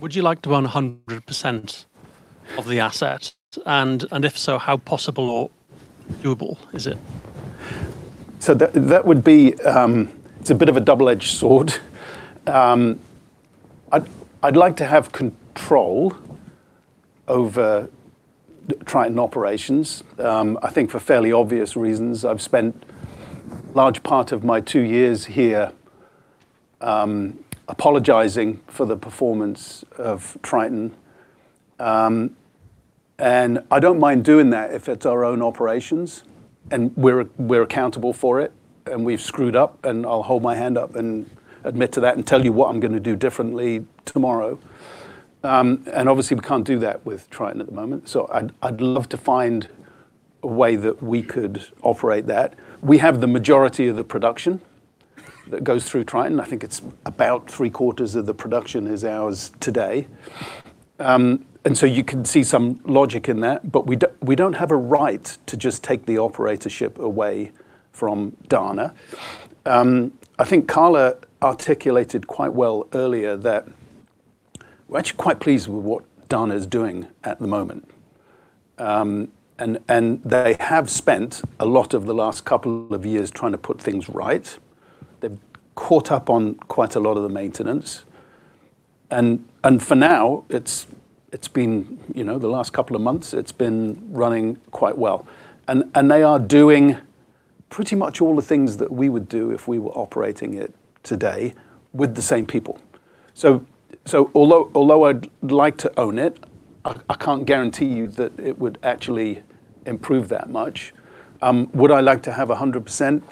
would you like to own 100% of the asset? If so, how possible or doable is it? It's a bit of a double-edged sword. I'd like to have control over Triton operations. I think for fairly obvious reasons. I've spent large part of my two years here apologizing for the performance of Triton. I don't mind doing that if it's our own operations and we're accountable for it, and we've screwed up. I'll hold my hand up and admit to that and tell you what I'm going to do differently tomorrow. Obviously, we can't do that with Triton at the moment. I'd love to find a way that we could operate that. We have the majority of the production that goes through Triton. I think it's about three-quarters of the production is ours today. You can see some logic in that, but we don't have a right to just take the operatorship away from Dana. I think Carla articulated quite well earlier that we're actually quite pleased with what Dana is doing at the moment. They have spent a lot of the last couple of years trying to put things right. They've caught up on quite a lot of the maintenance. For now, the last couple of months, it's been running quite well. They are doing pretty much all the things that we would do if we were operating it today with the same people. Although I'd like to own it, I can't guarantee you that it would actually improve that much. Would I like to have 100%?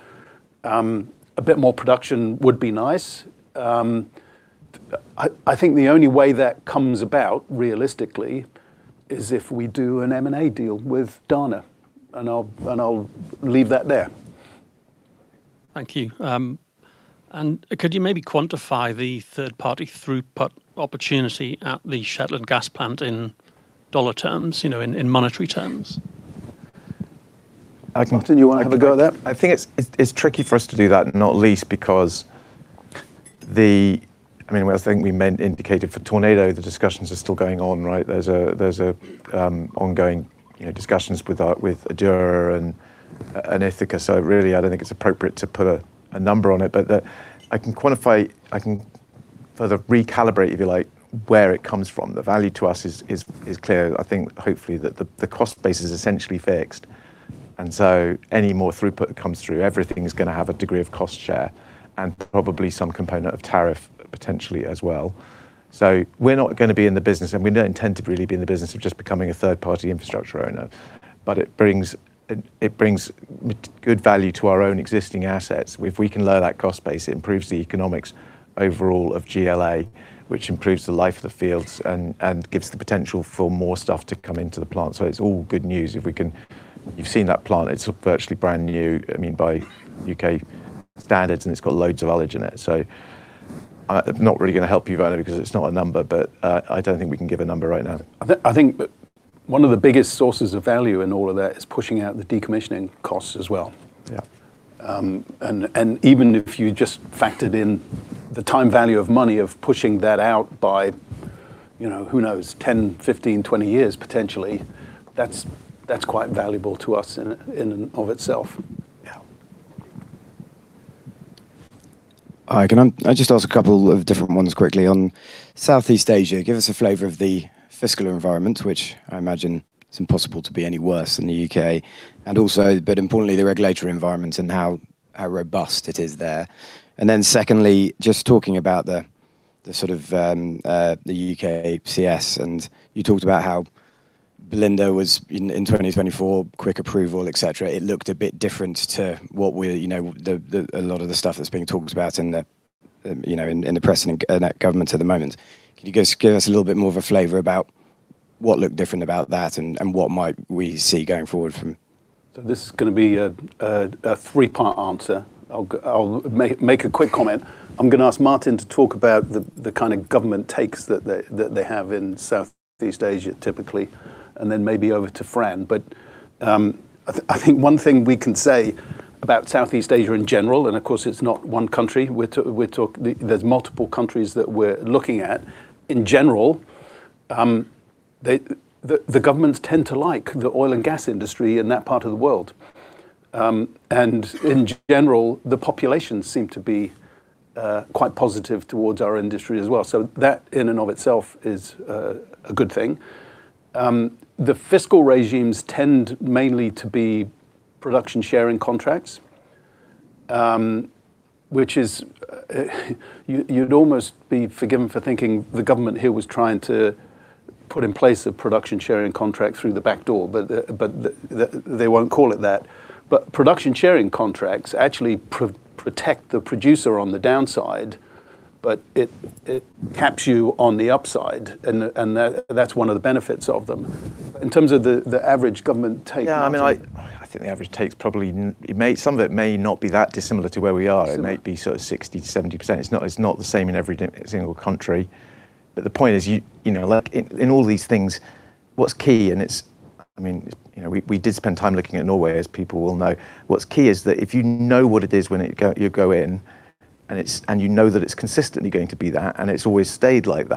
A bit more production would be nice. I think the only way that comes about realistically is if we do an M&A deal with Dana. I'll leave that there. Thank you. Could you maybe quantify the third-party throughput opportunity at the Shetland gas plant in dollar terms, in monetary terms? Martin, you want to have a go at that? I think it's tricky for us to do that, not least because the, I mean, I think we indicated for Tornado, the discussions are still going on, right? There's ongoing discussions with Adura and Ithaca. Really, I don't think it's appropriate to put a number on it, but I can quantify, I can further recalibrate, if you like, where it comes from. The value to us is clear. I think hopefully that the cost base is essentially fixed, and so any more throughput that comes through, everything is going to have a degree of cost share and probably some component of tariff potentially as well. We're not going to be in the business, and we don't intend to really be in the business of just becoming a third-party infrastructure owner. It brings good value to our own existing assets. If we can lower that cost base, it improves the economics overall of GLA, which improves the life of the fields and gives the potential for more stuff to come into the plant. It's all good news if we can. You've seen that plant. It's virtually brand new, I mean, by U.K. standards and it's got loads of ullage in it. Not really going to help you, Valerie, because it's not a number, but I don't think we can give a number right now. I think that one of the biggest sources of value in all of that is pushing out the decommissioning costs as well. Yeah. Even if you just factored in the time value of money of pushing that out by who knows, 10, 15, 20 years potentially, that's quite valuable to us in and of itself. Yeah. Hi. Can I just ask a couple of different ones quickly? On Southeast Asia, give us a flavor of the fiscal environment, which I imagine it's impossible to be any worse than the U.K., and also, importantly, the regulatory environment and how robust it is there. Secondly, just talking about the sort of the U.K. PCS, and you talked about how Belinda was in 2024, quick approval, et cetera. It looked a bit different to a lot of the stuff that's being talked about in the press and at government at the moment. Can you just give us a little bit more of a flavor about what looked different about that and what might we see going forward from- This is going to be a three-part answer. I'll make a quick comment. I'm going to ask Martin to talk about the kind of government takes that they have in Southeast Asia, typically, maybe over to Fran. I think one thing we can say about Southeast Asia in general, and of course, it's not one country. There's multiple countries that we're looking at. In general, the governments tend to like the oil and gas industry in that part of the world. In general, the populations seem to be quite positive towards our industry as well. That, in and of itself, is a good thing. The fiscal regimes tend mainly to be production sharing contracts, which you'd almost be forgiven for thinking the government here was trying to put in place a production sharing contract through the back door, they won't call it that. Production sharing contracts actually protect the producer on the downside, but it caps you on the upside, and that's one of the benefits of them. In terms of the average government take. Yeah, I think the average take probably some of it may not be that dissimilar to where we are. It might be sort of 60% to 70%. It's not the same in every single country. The point is, in all these things, what's key, and we did spend time looking at Norway, as people will know. What's key is that if you know what it is when you go in, and you know that it's consistently going to be that, and it's always stayed like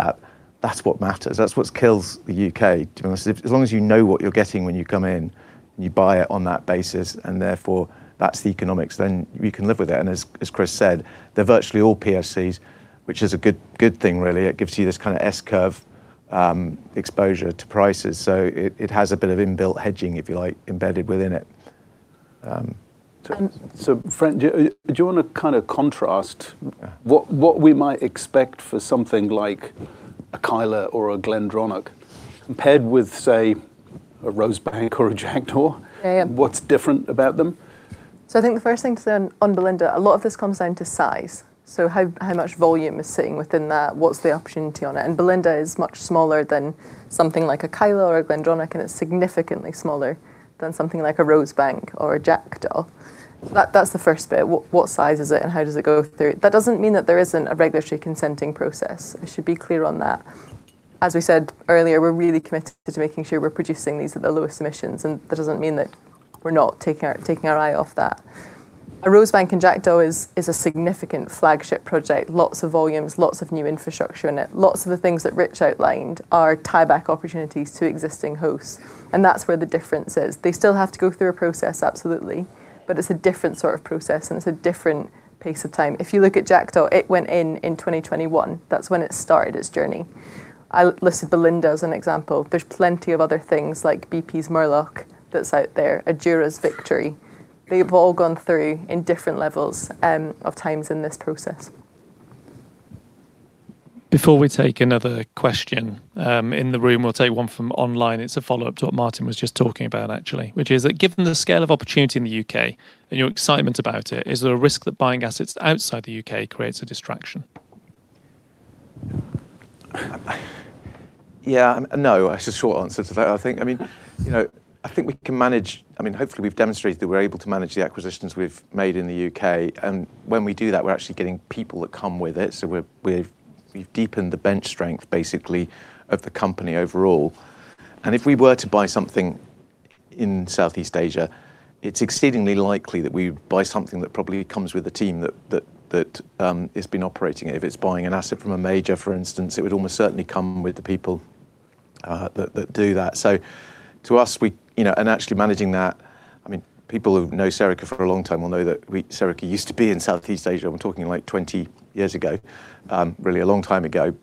that's what matters. That's what kills the U.K. As long as you know what you're getting when you come in, and you buy it on that basis, and therefore that's the economics, then you can live with it. As Chris said, they're virtually all PSCs, which is a good thing really. It gives you this kind of S-curve exposure to prices. It has a bit of inbuilt hedging, if you like, embedded within it. Fran, do you want to kind of contrast what we might expect for something like a Kyla or a Glendronach compared with, say, a Rosebank or a Jackdaw? Yeah. What's different about them? I think the first thing to learn on Belinda, a lot of this comes down to size. How much volume is sitting within that? What's the opportunity on it? Belinda is much smaller than something like a Kyla or a Glendronach, and it's significantly smaller than something like a Rosebank or a Jackdaw. That's the first bit. What size is it, and how does it go through? That doesn't mean that there isn't a regulatory consenting process. I should be clear on that. As we said earlier, we're really committed to making sure we're producing these at the lowest emissions, and that doesn't mean that we're not taking our eye off that. A Rosebank and Jackdaw is a significant flagship project. Lots of volumes, lots of new infrastructure in it. Lots of the things that Rich outlined are tie-back opportunities to existing hosts, and that's where the difference is. They still have to go through a process, absolutely, but it's a different sort of process, and it's a different pace of time. If you look at Jackdaw, it went in in 2021. That's when it started its journey. I listed Belinda as an example. There's plenty of other things, like BP's Murlach that's out there, Adura's Victory. They've all gone through in different levels of times in this process. Before we take another question in the room, we will take one from online. It is a follow-up to what Martin was just talking about, actually, which is that given the scale of opportunity in the U.K. and your excitement about it, is there a risk that buying assets outside the U.K. creates a distraction? Yeah, no. It's a short answer to that. I think we can manage. Hopefully, we've demonstrated that we're able to manage the acquisitions we've made in the U.K. When we do that, we're actually getting people that come with it. We've deepened the bench strength, basically, of the company overall. If we were to buy something in Southeast Asia, it's exceedingly likely that we would buy something that probably comes with a team that has been operating it. If it's buying an asset from a major, for instance, it would almost certainly come with the people that do that. To us, and actually managing that, people who've known Serica for a long time will know that Serica used to be in Southeast Asia. We're talking like 20 years ago. Really a long time ago.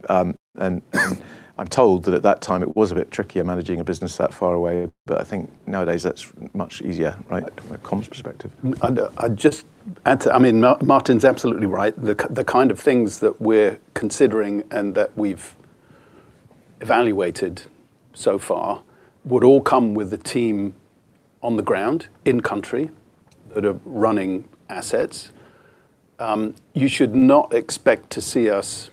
I'm told that at that time, it was a bit trickier managing a business that far away. I think nowadays that's much easier, right, from a comms perspective. I'd just add. Martin's absolutely right. The kind of things that we're considering and that we've evaluated so far would all come with a team on the ground, in country, that are running assets. You should not expect to see us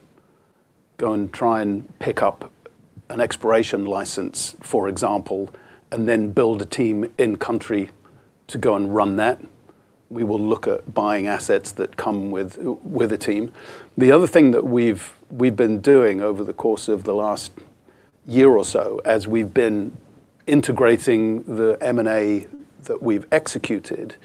go and try and pick up an exploration license, for example, and then build a team in country to go and run that. We will look at buying assets that come with a team. The other thing that we've been doing over the course of the last year or so, as we've been integrating the M&A that we've executed,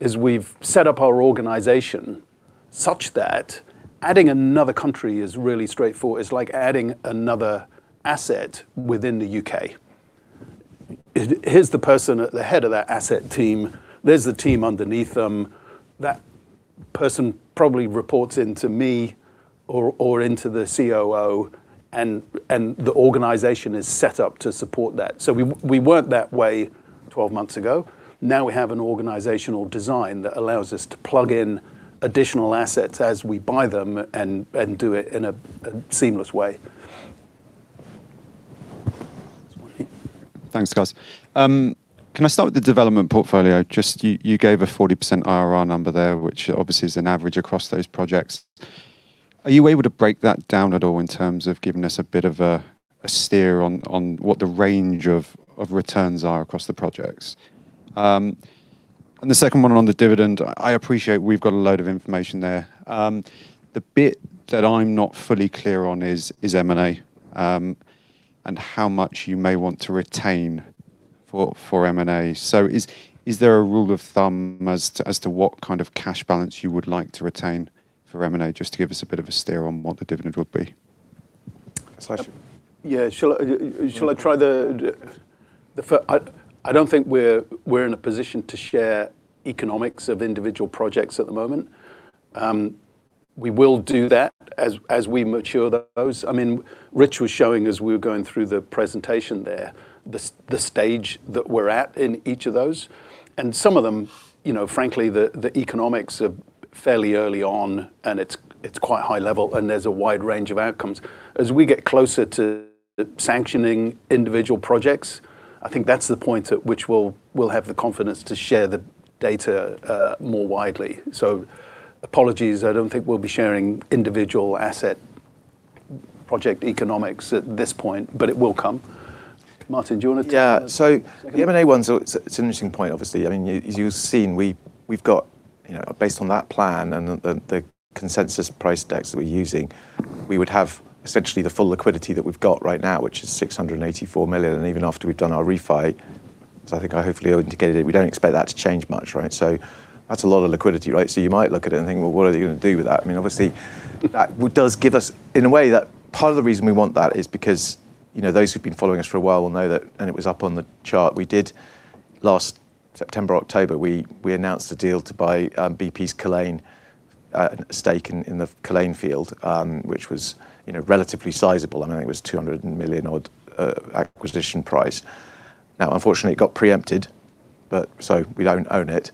is we've set up our organization such that adding another country is really straightforward. It's like adding another asset within the U.K. Here's the person at the head of that asset team. There's the team underneath them. That person probably reports into me or into the COO, and the organization is set up to support that. We weren't that way 12 months ago. Now we have an organizational design that allows us to plug in additional assets as we buy them and do it in a seamless way. Thanks, guys. Can I start with the development portfolio? Just, you gave a 40% IRR number there, which obviously is an average across those projects. Are you able to break that down at all in terms of giving us a bit of a steer on what the range of returns are across the projects? The second one on the dividend, I appreciate we've got a load of information there. The bit that I'm not fully clear on is M&A, and how much you may want to retain for M&A. Is there a rule of thumb as to what kind of cash balance you would like to retain for M&A, just to give us a bit of a steer on what the dividend would be? Yeah. I don't think we're in a position to share economics of individual projects at the moment. We will do that as we mature those. Rich was showing as we were going through the presentation there, the stage that we're at in each of those. Some of them, frankly, the economics are fairly early on and it's quite high level and there's a wide range of outcomes. As we get closer to sanctioning individual projects, I think that's the point at which we'll have the confidence to share the data more widely. Apologies, I don't think we'll be sharing individual asset project economics at this point, but it will come. Martin, do you want to take that? Yeah. The M&A one's an interesting point, obviously. As you've seen, we've got, based on that plan and the consensus price decks that we're using, we would have essentially the full liquidity that we've got right now, which is 684 million, and even after we've done our refi. I think I hopefully indicated it. We don't expect that to change much, right? That's a lot of liquidity. You might look at it and think, "Well, what are you going to do with that?" Obviously, that does give us, in a way that part of the reason we want that is because those who've been following us for a while will know that, and it was up on the chart, we did last September, October, we announced a deal to buy BP's Culzean in the Killaloe field, which was relatively sizable. I think it was 200 million odd acquisition price. Unfortunately, it got preempted, so we don't own it.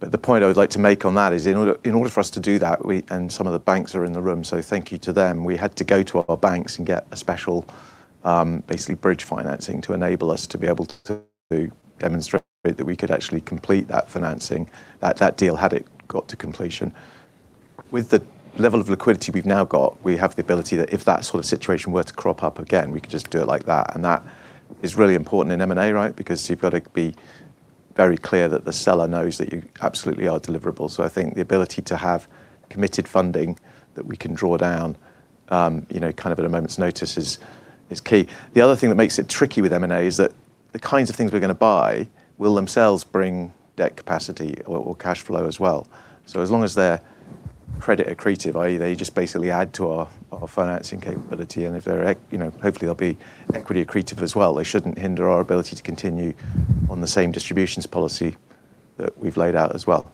The point I would like to make on that is in order for us to do that, we and some of the banks are in the room, so thank you to them. We had to go to our banks and get a special, basically bridge financing to enable us to be able to demonstrate that we could actually complete that financing, that deal had it got to completion. With the level of liquidity we've now got, we have the ability that if that sort of situation were to crop up again, we could just do it like that. That is really important in M&A because you've got to be very clear that the seller knows that you absolutely are deliverable. I think the ability to have committed funding that we can draw down at a moment's notice is key. The other thing that makes it tricky with M&A is that the kinds of things we're going to buy will themselves bring debt capacity or cash flow as well. As long as they're credit accretive, i.e. they just basically add to our financing capability, and hopefully they'll be equity accretive as well. They shouldn't hinder our ability to continue on the same distributions policy that we've laid out as well.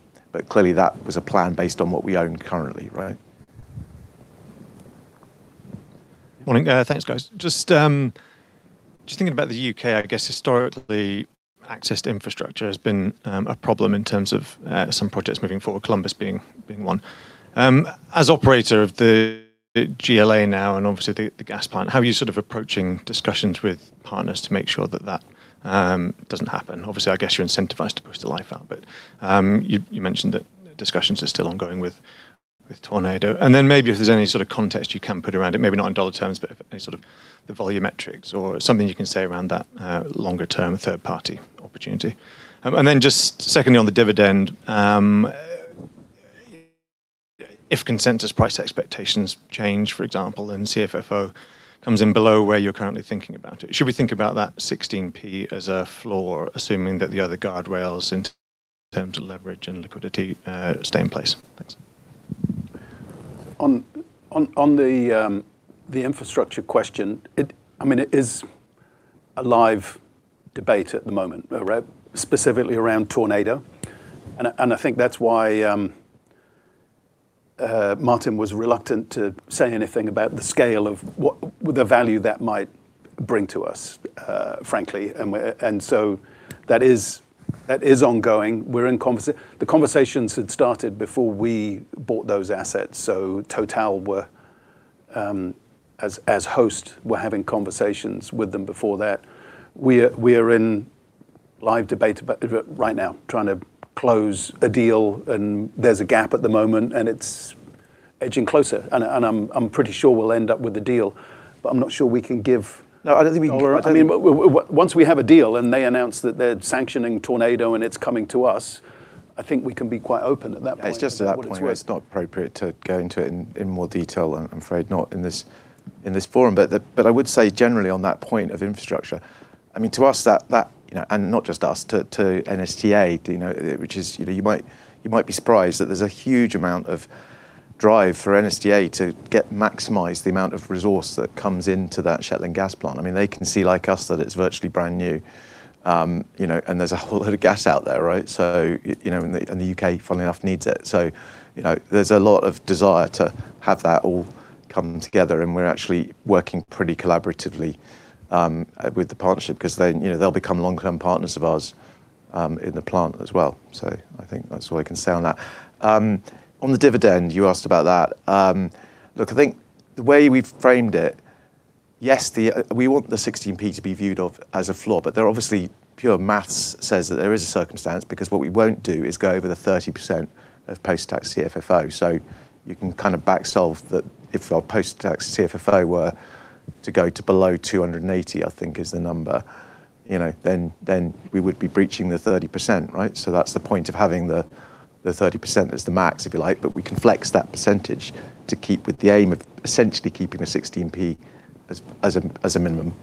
Clearly, that was a plan based on what we own currently. Right? Morning. Thanks, guys. Just thinking about the U.K., I guess historically, access to infrastructure has been a problem in terms of some projects moving forward, Columbus being one. As operator of the GLA now and obviously the gas plant, how are you sort of approaching discussions with partners to make sure that that doesn't happen? Obviously, I guess you're incentivized to push the life out, but you mentioned that discussions are still ongoing with Tornado. Maybe if there's any sort of context you can put around it, maybe not in dollar terms, but any sort of the volumetrics or something you can say around that longer-term third-party opportunity. Just secondly on the dividend. If consensus price expectations change, for example, and CFFO comes in below where you're currently thinking about it, should we think about that 0.16 as a floor, assuming that the other guardrails in terms of leverage and liquidity stay in place? Thanks. On the infrastructure question, it is a live debate at the moment. Specifically around Tornado, and I think that's why Martin was reluctant to say anything about the scale of what the value that might bring to us, frankly. That is ongoing. We're in conversation. The conversations had started before we bought those assets, so Total were as host, were having conversations with them before that. We are in a live debate about it right now, trying to close a deal, and there's a gap at the moment, and it's edging closer. I'm pretty sure we'll end up with a deal, but I'm not sure we can give. No, I don't think we. Once we have a deal and they announce that they're sanctioning Tornado and it's coming to us, I think we can be quite open at that point. It's just at that point where it's not appropriate to go into it in more detail, I'm afraid not in this forum. I would say generally on that point of infrastructure, to us, and not just us, to NSTA. You might be surprised that there's a huge amount of drive for NSTA to maximize the amount of resource that comes into that Shetland gas plant. They can see, like us, that it's virtually brand new. There's a whole load of gas out there. The U.K. funnily enough needs it. There's a lot of desire to have that all come together, and we're actually working pretty collaboratively with the partnership because they'll become long-term partners of ours in the plant as well. I think that's all I can say on that. On the dividend, you asked about that. Look, I think the way we've framed it, yes, we want the 0.16 to be viewed of as a floor. They're obviously pure math says that there is a circumstance, because what we won't do is go over the 30% of post-tax CFFO. You can kind of back solve that if our post-tax CFFO were to go to below 280, I think is the number. We would be breaching the 30%. That's the point of having the 30% as the max, if you like. We can flex that percentage to keep with the aim of essentially keeping the 0.16 as a minimum.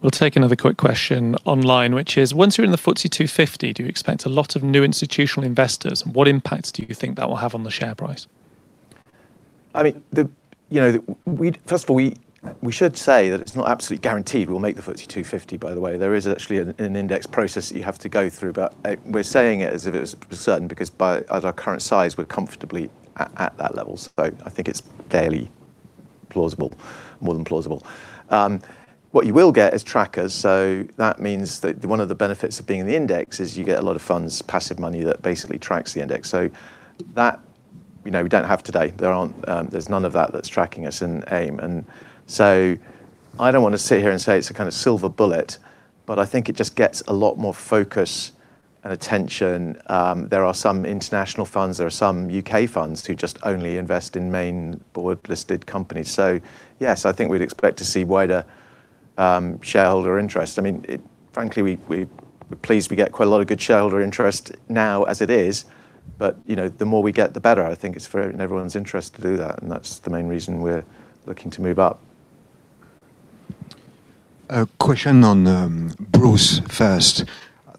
We'll take another quick question online, which is, once you're in the FTSE 250, do you expect a lot of new institutional investors? What impacts do you think that will have on the share price? We should say that it's not absolutely guaranteed we'll make the FTSE 250, by the way. There is actually an index process that you have to go through, but we're saying it as if it was certain because by our current size, we're comfortably at that level. I think it's fairly plausible. More than plausible. What you will get is trackers. That means that one of the benefits of being in the index is you get a lot of funds, passive money that basically tracks the index. That, we don't have today, there's none of that that's tracking us in AIM. I don't want to sit here and say it's a kind of silver bullet, but I think it just gets a lot more focus and attention. There are some international funds, there are some U.K. funds who just only invest in main board-listed companies. Yes, I think we'd expect to see wider shareholder interest. Frankly, we're pleased we get quite a lot of good shareholder interest now as it is, but the more we get, the better. I think it's in everyone's interest to do that, and that's the main reason we're looking to move up. A question on Bruce first.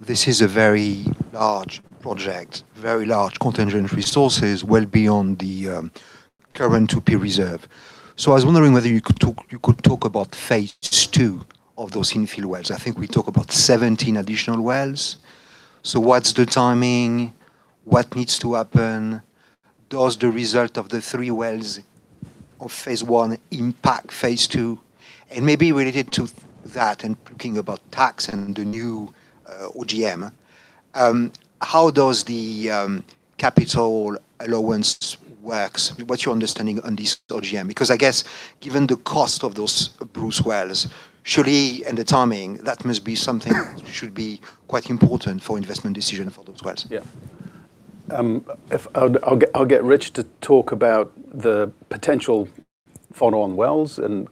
This is a very large project, very large contingent resources well beyond the current 2P reserve. I was wondering whether you could talk about Phase 2 of those infill wells. I think we talk about 17 additional wells. What's the timing? What needs to happen? Does the result of the three wells of Phase 1 impact Phase 2? Maybe related to that and thinking about tax and the new OGPM. How does the capital allowance work? What's your understanding on this OGPM? I guess given the cost of those Bruce wells, surely, and the timing, that must be something that should be quite important for investment decision for those wells. Yeah. I'll get Rich to talk about the potential follow-on wells and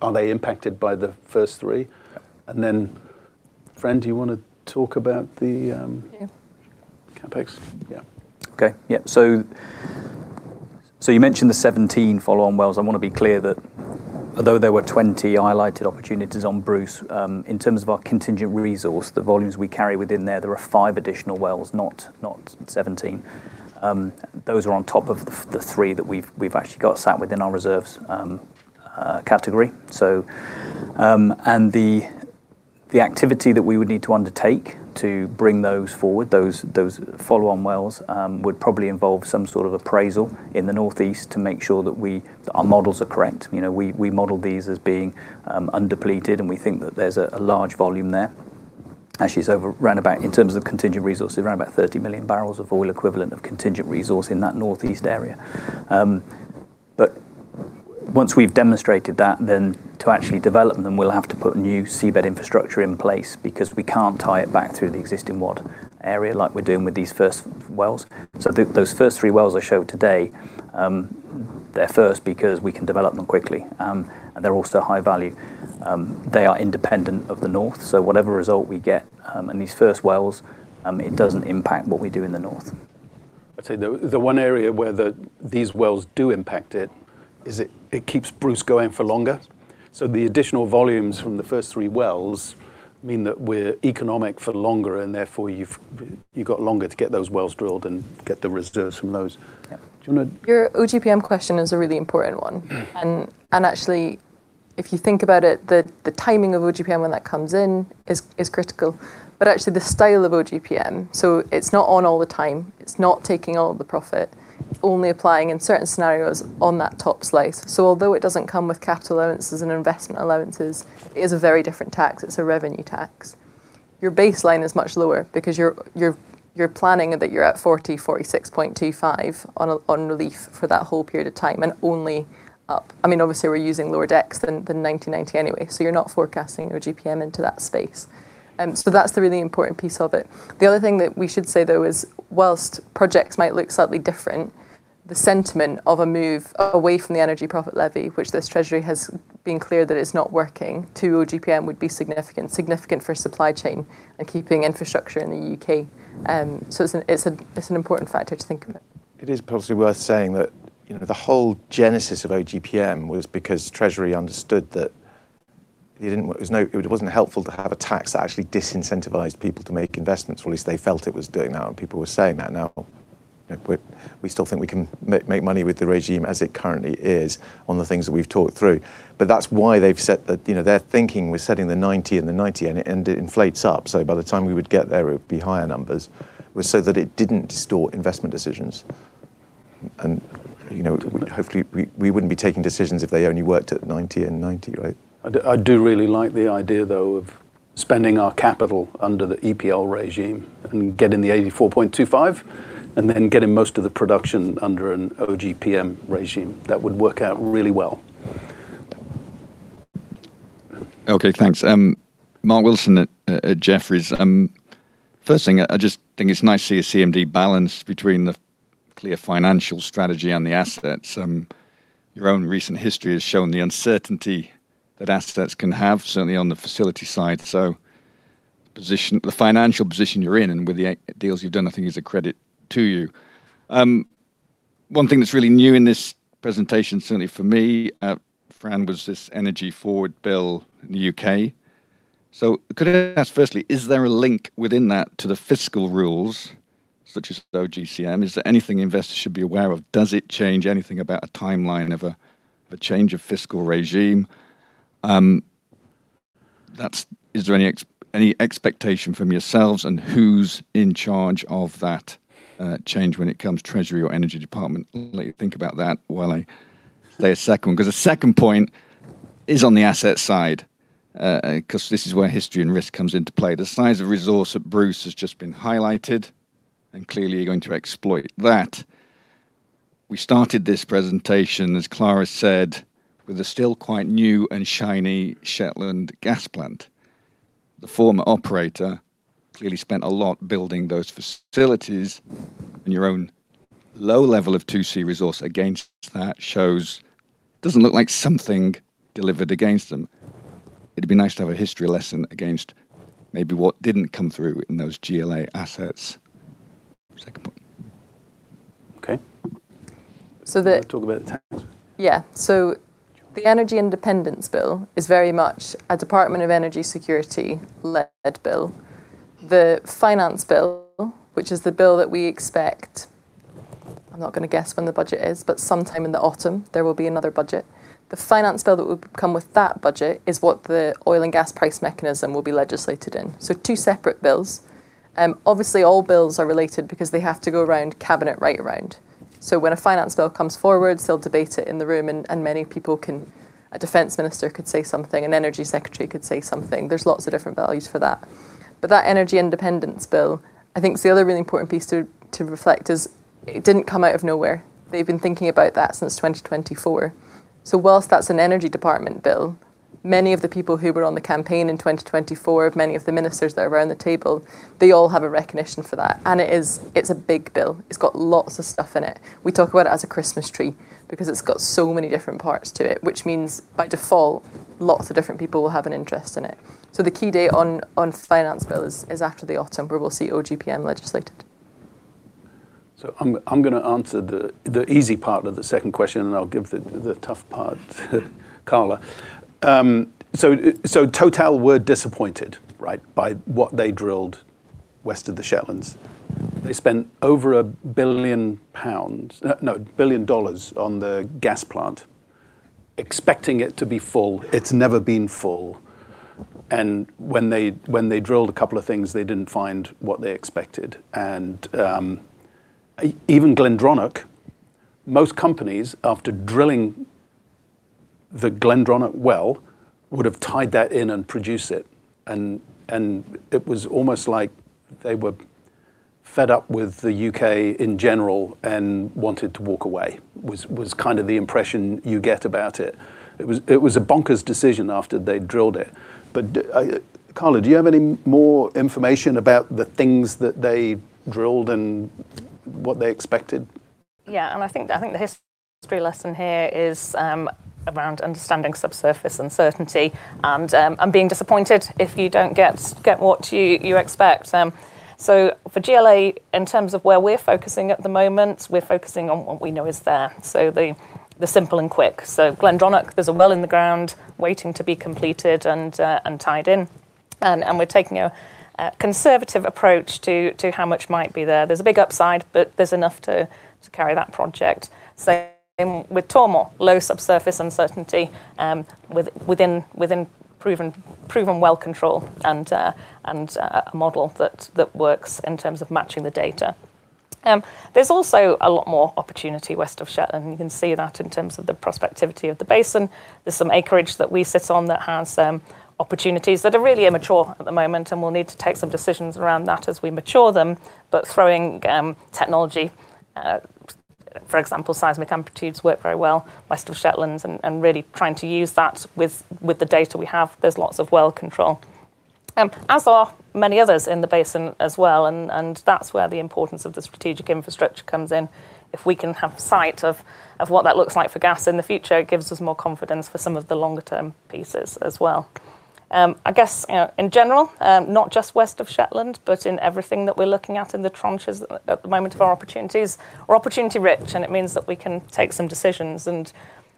are they impacted by the first three. Okay. Fran, do you want to talk about the. Yeah CapEx? Yeah. Okay. Yeah. You mentioned the 17 follow-on wells. I want to be clear that although there were 20 highlighted opportunities on Bruce, in terms of our contingent resource, the volumes we carry within there are five additional wells, not 17. Those are on top of the three that we've actually got sat within our reserves category. The activity that we would need to undertake to bring those forward, those follow-on wells, would probably involve some sort of appraisal in the northeast to make sure that our models are correct. We model these as being undepleted, and we think that there's a large volume there. Actually, in terms of contingent resources, around about 30 million BOE of contingent resource in that northeast area. Once we've demonstrated that, then to actually develop them, we'll have to put new seabed infrastructure in place because we can't tie it back through the existing WAD area like we're doing with these first wells. Those first three wells I showed today, they're first because we can develop them quickly. They're also high value. They are independent of the North. Whatever result we get in these first wells, it doesn't impact what we do in the north. I'd say the one area where these wells do impact it is it keeps Bruce going for longer. The additional volumes from the first three wells mean that we're economic for longer, and therefore you've got longer to get those wells drilled and get the reserves from those. Yeah. Do you want to- Your OGPM question is a really important one. Actually, if you think about it, the timing of OGPM, when that comes in is critical. Actually, the style of OGPM, so it's not on all the time. It's not taking all of the profit, only applying in certain scenarios on that top slice. Although it doesn't come with capital allowances and investment allowances, it is a very different tax. It's a revenue tax. Your baseline is much lower because you're planning that you're at 40%, 46.25% on relief for that whole period of time and only up. Obviously we're using lower decks than 90/90 anyway, so you're not forecasting OGPM into that space. That's the really important piece of it. The other thing that we should say, though, is whilst projects might look slightly different, the sentiment of a move away from the Energy Profits Levy, which this Treasury has been clear that it's not working, to OGPM would be significant. Significant for supply chain and keeping infrastructure in the U.K. It's an important factor to think about. It is possibly worth saying that the whole genesis of OGPM was because Treasury understood that it wasn't helpful to have a tax that actually disincentivized people to make investments. At least they felt it was doing that, and people were saying that. We still think we can make money with the regime as it currently is on the things that we've talked through. That's why their thinking was setting the 90 in the 90, and it inflates up. By the time we would get there, it would be higher numbers, was so that it didn't distort investment decisions. Hopefully, we wouldn't be taking decisions if they only worked at 90 and 90, right? I do really like the idea, though, of spending our capital under the EPL regime and getting the 84.25, and then getting most of the production under an OGPM regime. That would work out really well. Okay, thanks. Mark Wilson at Jefferies. First thing, I just think it's nice to see a CMD balance between the clear financial strategy and the assets. Your own recent history has shown the uncertainty that assets can have, certainly on the facility side. The financial position you're in and with the deals you've done, I think is a credit to you. One thing that's really new in this presentation, certainly for me, Fran, was this Energy Forward bill in the U.K. Could I ask firstly, is there a link within that to the fiscal rules such as OGPM? Is there anything investors should be aware of? Does it change anything about a timeline of a change of fiscal regime? Is there any expectation from yourselves on who's in charge of that change when it comes Treasury or Energy Department? Let me think about that while I say a second. The second point is on the asset side, because this is where history and risk comes into play. The size of resource at Bruce has just been highlighted, clearly you're going to exploit that. We started this presentation, as Carla said, with a still quite new and shiny Shetland gas plant. The former operator clearly spent a lot building those facilities, your own low level of 2C resource against that shows it doesn't look like something delivered against them. It'd be nice to have a history lesson against maybe what didn't come through in those GLA assets. Second point. Okay. So the- Do you want to talk about the tax? The Energy Independence Bill is very much a Department of Energy Security-led bill. The Finance Bill, which is the bill that we expect, I'm not going to guess when the budget is, but sometime in the autumn, there will be another budget. The Finance Bill that would come with that budget is what the Oil and Gas Price Mechanism will be legislated in. Two separate bills. Obviously, all bills are related because they have to go around Cabinet right around. When a Finance Bill comes forward, they'll debate it in the room, and many people can. A Defense Minister could say something. An Energy Secretary could say something. There's lots of different values for that. That Energy Independence Bill, I think the other really important piece to reflect is it didn't come out of nowhere. They've been thinking about that since 2024. Whilst that's an Energy Department bill, many of the people who were on the campaign in 2024, many of the ministers that are around the table, they all have a recognition for that. It's a big bill. It's got lots of stuff in it. We talk about it as a Christmas tree because it's got so many different parts to it, which means by default, lots of different people will have an interest in it. The key date on Finance Bill is after the autumn, where we'll see OGPM legislated. I'm going to answer the easy part of the second question, and then I'll give the tough part to Carla. Total were disappointed, right, by what they drilled west of the Shetlands. They spent over $1 billion on the gas plant, expecting it to be full. It's never been full. When they drilled a couple of things, they didn't find what they expected. Even Glendronach, most companies, after drilling the Glendronach well, would've tied that in and produced it. It was almost like they were fed up with the U.K. in general and wanted to walk away, was kind of the impression you get about it. It was a bonkers decision after they drilled it. Carla, do you have any more information about the things that they drilled and what they expected? Yeah, I think the history lesson here is around understanding subsurface uncertainty and being disappointed if you don't get what you expect. For GLA, in terms of where we're focusing at the moment, we're focusing on what we know is there, the simple and quick. Glendronach, there's a well in the ground waiting to be completed and tied in. We're taking a conservative approach to how much might be there. There's a big upside, but there's enough to carry that project. Same with Tormore, low subsurface uncertainty, within proven well control, and a model that works in terms of matching the data. There's also a lot more opportunity West of Shetland. You can see that in terms of the prospectivity of the basin. There's some acreage that we sit on that has some opportunities that are really immature at the moment, and we'll need to take some decisions around that as we mature them. Throwing technology, for example, seismic amplitudes work very well West of Shetland, and really trying to use that with the data we have. There's lots of well control. As are many others in the basin as well, and that's where the importance of the strategic infrastructure comes in. If we can have sight of what that looks like for gas in the future, it gives us more confidence for some of the longer-term pieces as well. I guess, in general, not just West of Shetland, but in everything that we're looking at in the tranches at the moment of our opportunities, we're opportunity-rich, and it means that we can take some decisions.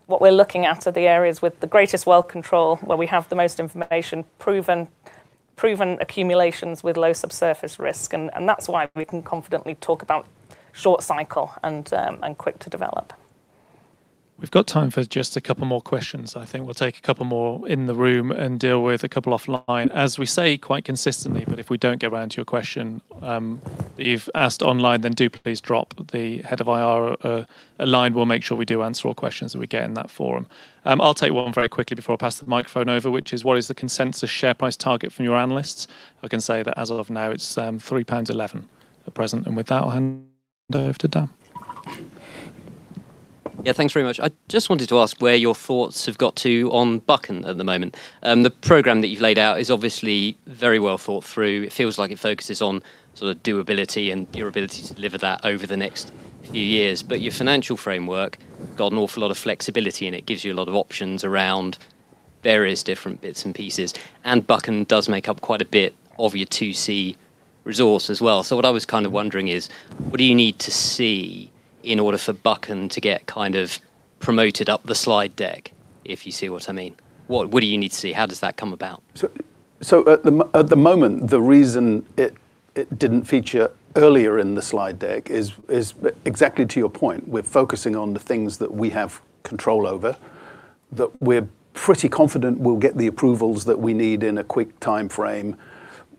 What we're looking at are the areas with the greatest well control, where we have the most information, proven accumulations with low subsurface risk. That's why we can confidently talk about short cycle and quick to develop. We've got time for just a couple more questions. I think we'll take a couple more in the room and deal with a couple offline. As we say quite consistently, but if we don't get around to your question that you've asked online, then do please drop the head of IR a line. We'll make sure we do answer all questions that we get in that forum. I'll take one very quickly before I pass the microphone over, which is, "What is the consensus share price target from your analysts?" I can say that as of now, it's £3.11 at present. With that, I'll hand over to Dan. Yeah. Thanks very much. I just wanted to ask where your thoughts have got to on Buchan at the moment. The program that you've laid out is obviously very well thought through. It feels like it focuses on sort of doability and your ability to deliver that over the next few years. Your financial framework, got an awful lot of flexibility in it, gives you a lot of options around various different bits and pieces. Buchan does make up quite a bit of your 2C resource as well. What I was kind of wondering is, what do you need to see in order for Buchan to get kind of promoted up the slide deck? If you see what I mean. What do you need to see? How does that come about? At the moment, the reason it didn't feature earlier in the slide deck is exactly to your point. We're focusing on the things that we have control over, that we're pretty confident we'll get the approvals that we need in a quick timeframe.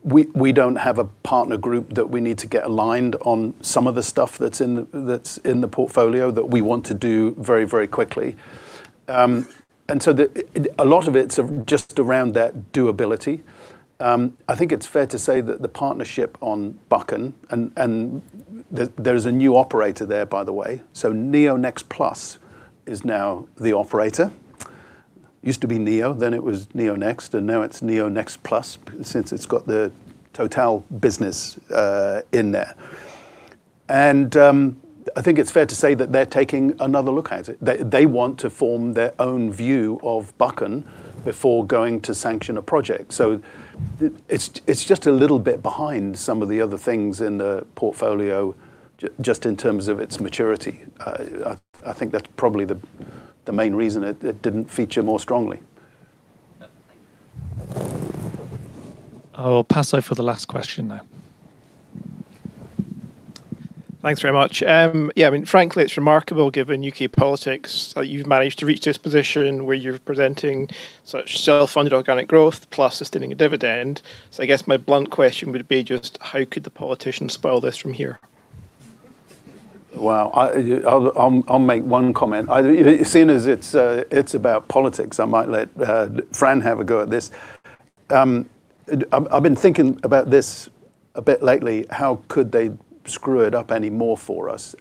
We don't have a partner group that we need to get aligned on some of the stuff that's in the portfolio that we want to do very quickly. A lot of it's just around that doability. I think it's fair to say that the partnership on Buchan, and there is a new operator there, by the way. NeoNext Plus is now the operator. Used to be Neo, then it was NeoNext, and now it's NeoNext Plus, since it's got the TotalEnergies business in there. I think it's fair to say that they're taking another look at it. They want to form their own view of Buchan before going to sanction a project. It's just a little bit behind some of the other things in the portfolio, just in terms of its maturity. I think that's probably the main reason it didn't feature more strongly. Thank you. I'll pass over for the last question now. Thanks very much. Yeah, frankly, it's remarkable given U.K. politics that you've managed to reach this position where you're presenting such self-funded organic growth plus sustaining a dividend. I guess my blunt question would be just, how could the politicians spoil this from here? Wow. I'll make one comment. Seeing as it's about politics, I might let Fran have a go at this. I've been thinking about this a bit lately, how could they screw it up any more for us?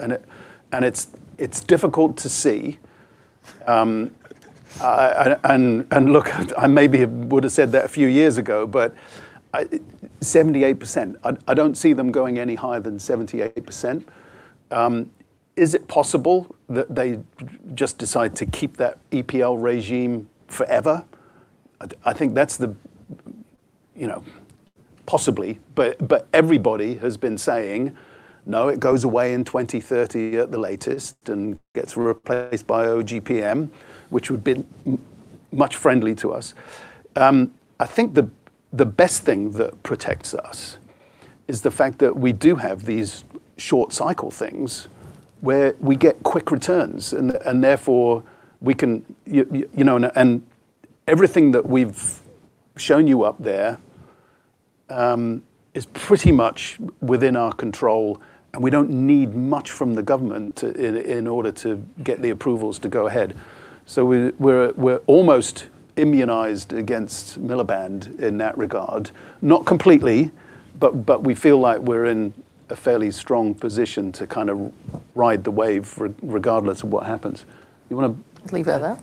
It's difficult to see. Look, I maybe would've said that a few years ago, but 78%. I don't see them going any higher than 78%. Is it possible that they just decide to keep that EPL regime forever? I think that's possibly, but everybody has been saying, no, it goes away in 2030 at the latest and gets replaced by OGPM, which would be much friendly to us. I think the best thing that protects us is the fact that we do have these short-cycle things where we get quick returns, everything that we've shown you up there is pretty much within our control, and we don't need much from the government in order to get the approvals to go ahead. We're almost immunized against Miliband in that regard. Not completely, we feel like we're in a fairly strong position to kind of ride the wave regardless of what happens. You want to- Leave that out?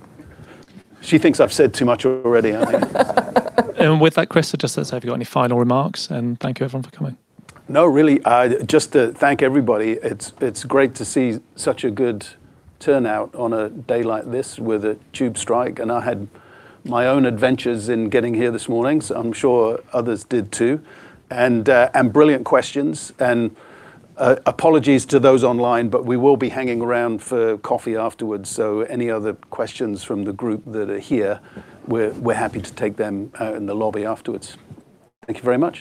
She thinks I've said too much already, I think. With that, Chris, I just wanted to ask have you got any final remarks? Thank you everyone for coming. No, really, just to thank everybody. It's great to see such a good turnout on a day like this with a tube strike, and I had my own adventures in getting here this morning, so I'm sure others did too. Brilliant questions, and apologies to those online, but we will be hanging around for coffee afterwards. Any other questions from the group that are here, we're happy to take them out in the lobby afterwards. Thank you very much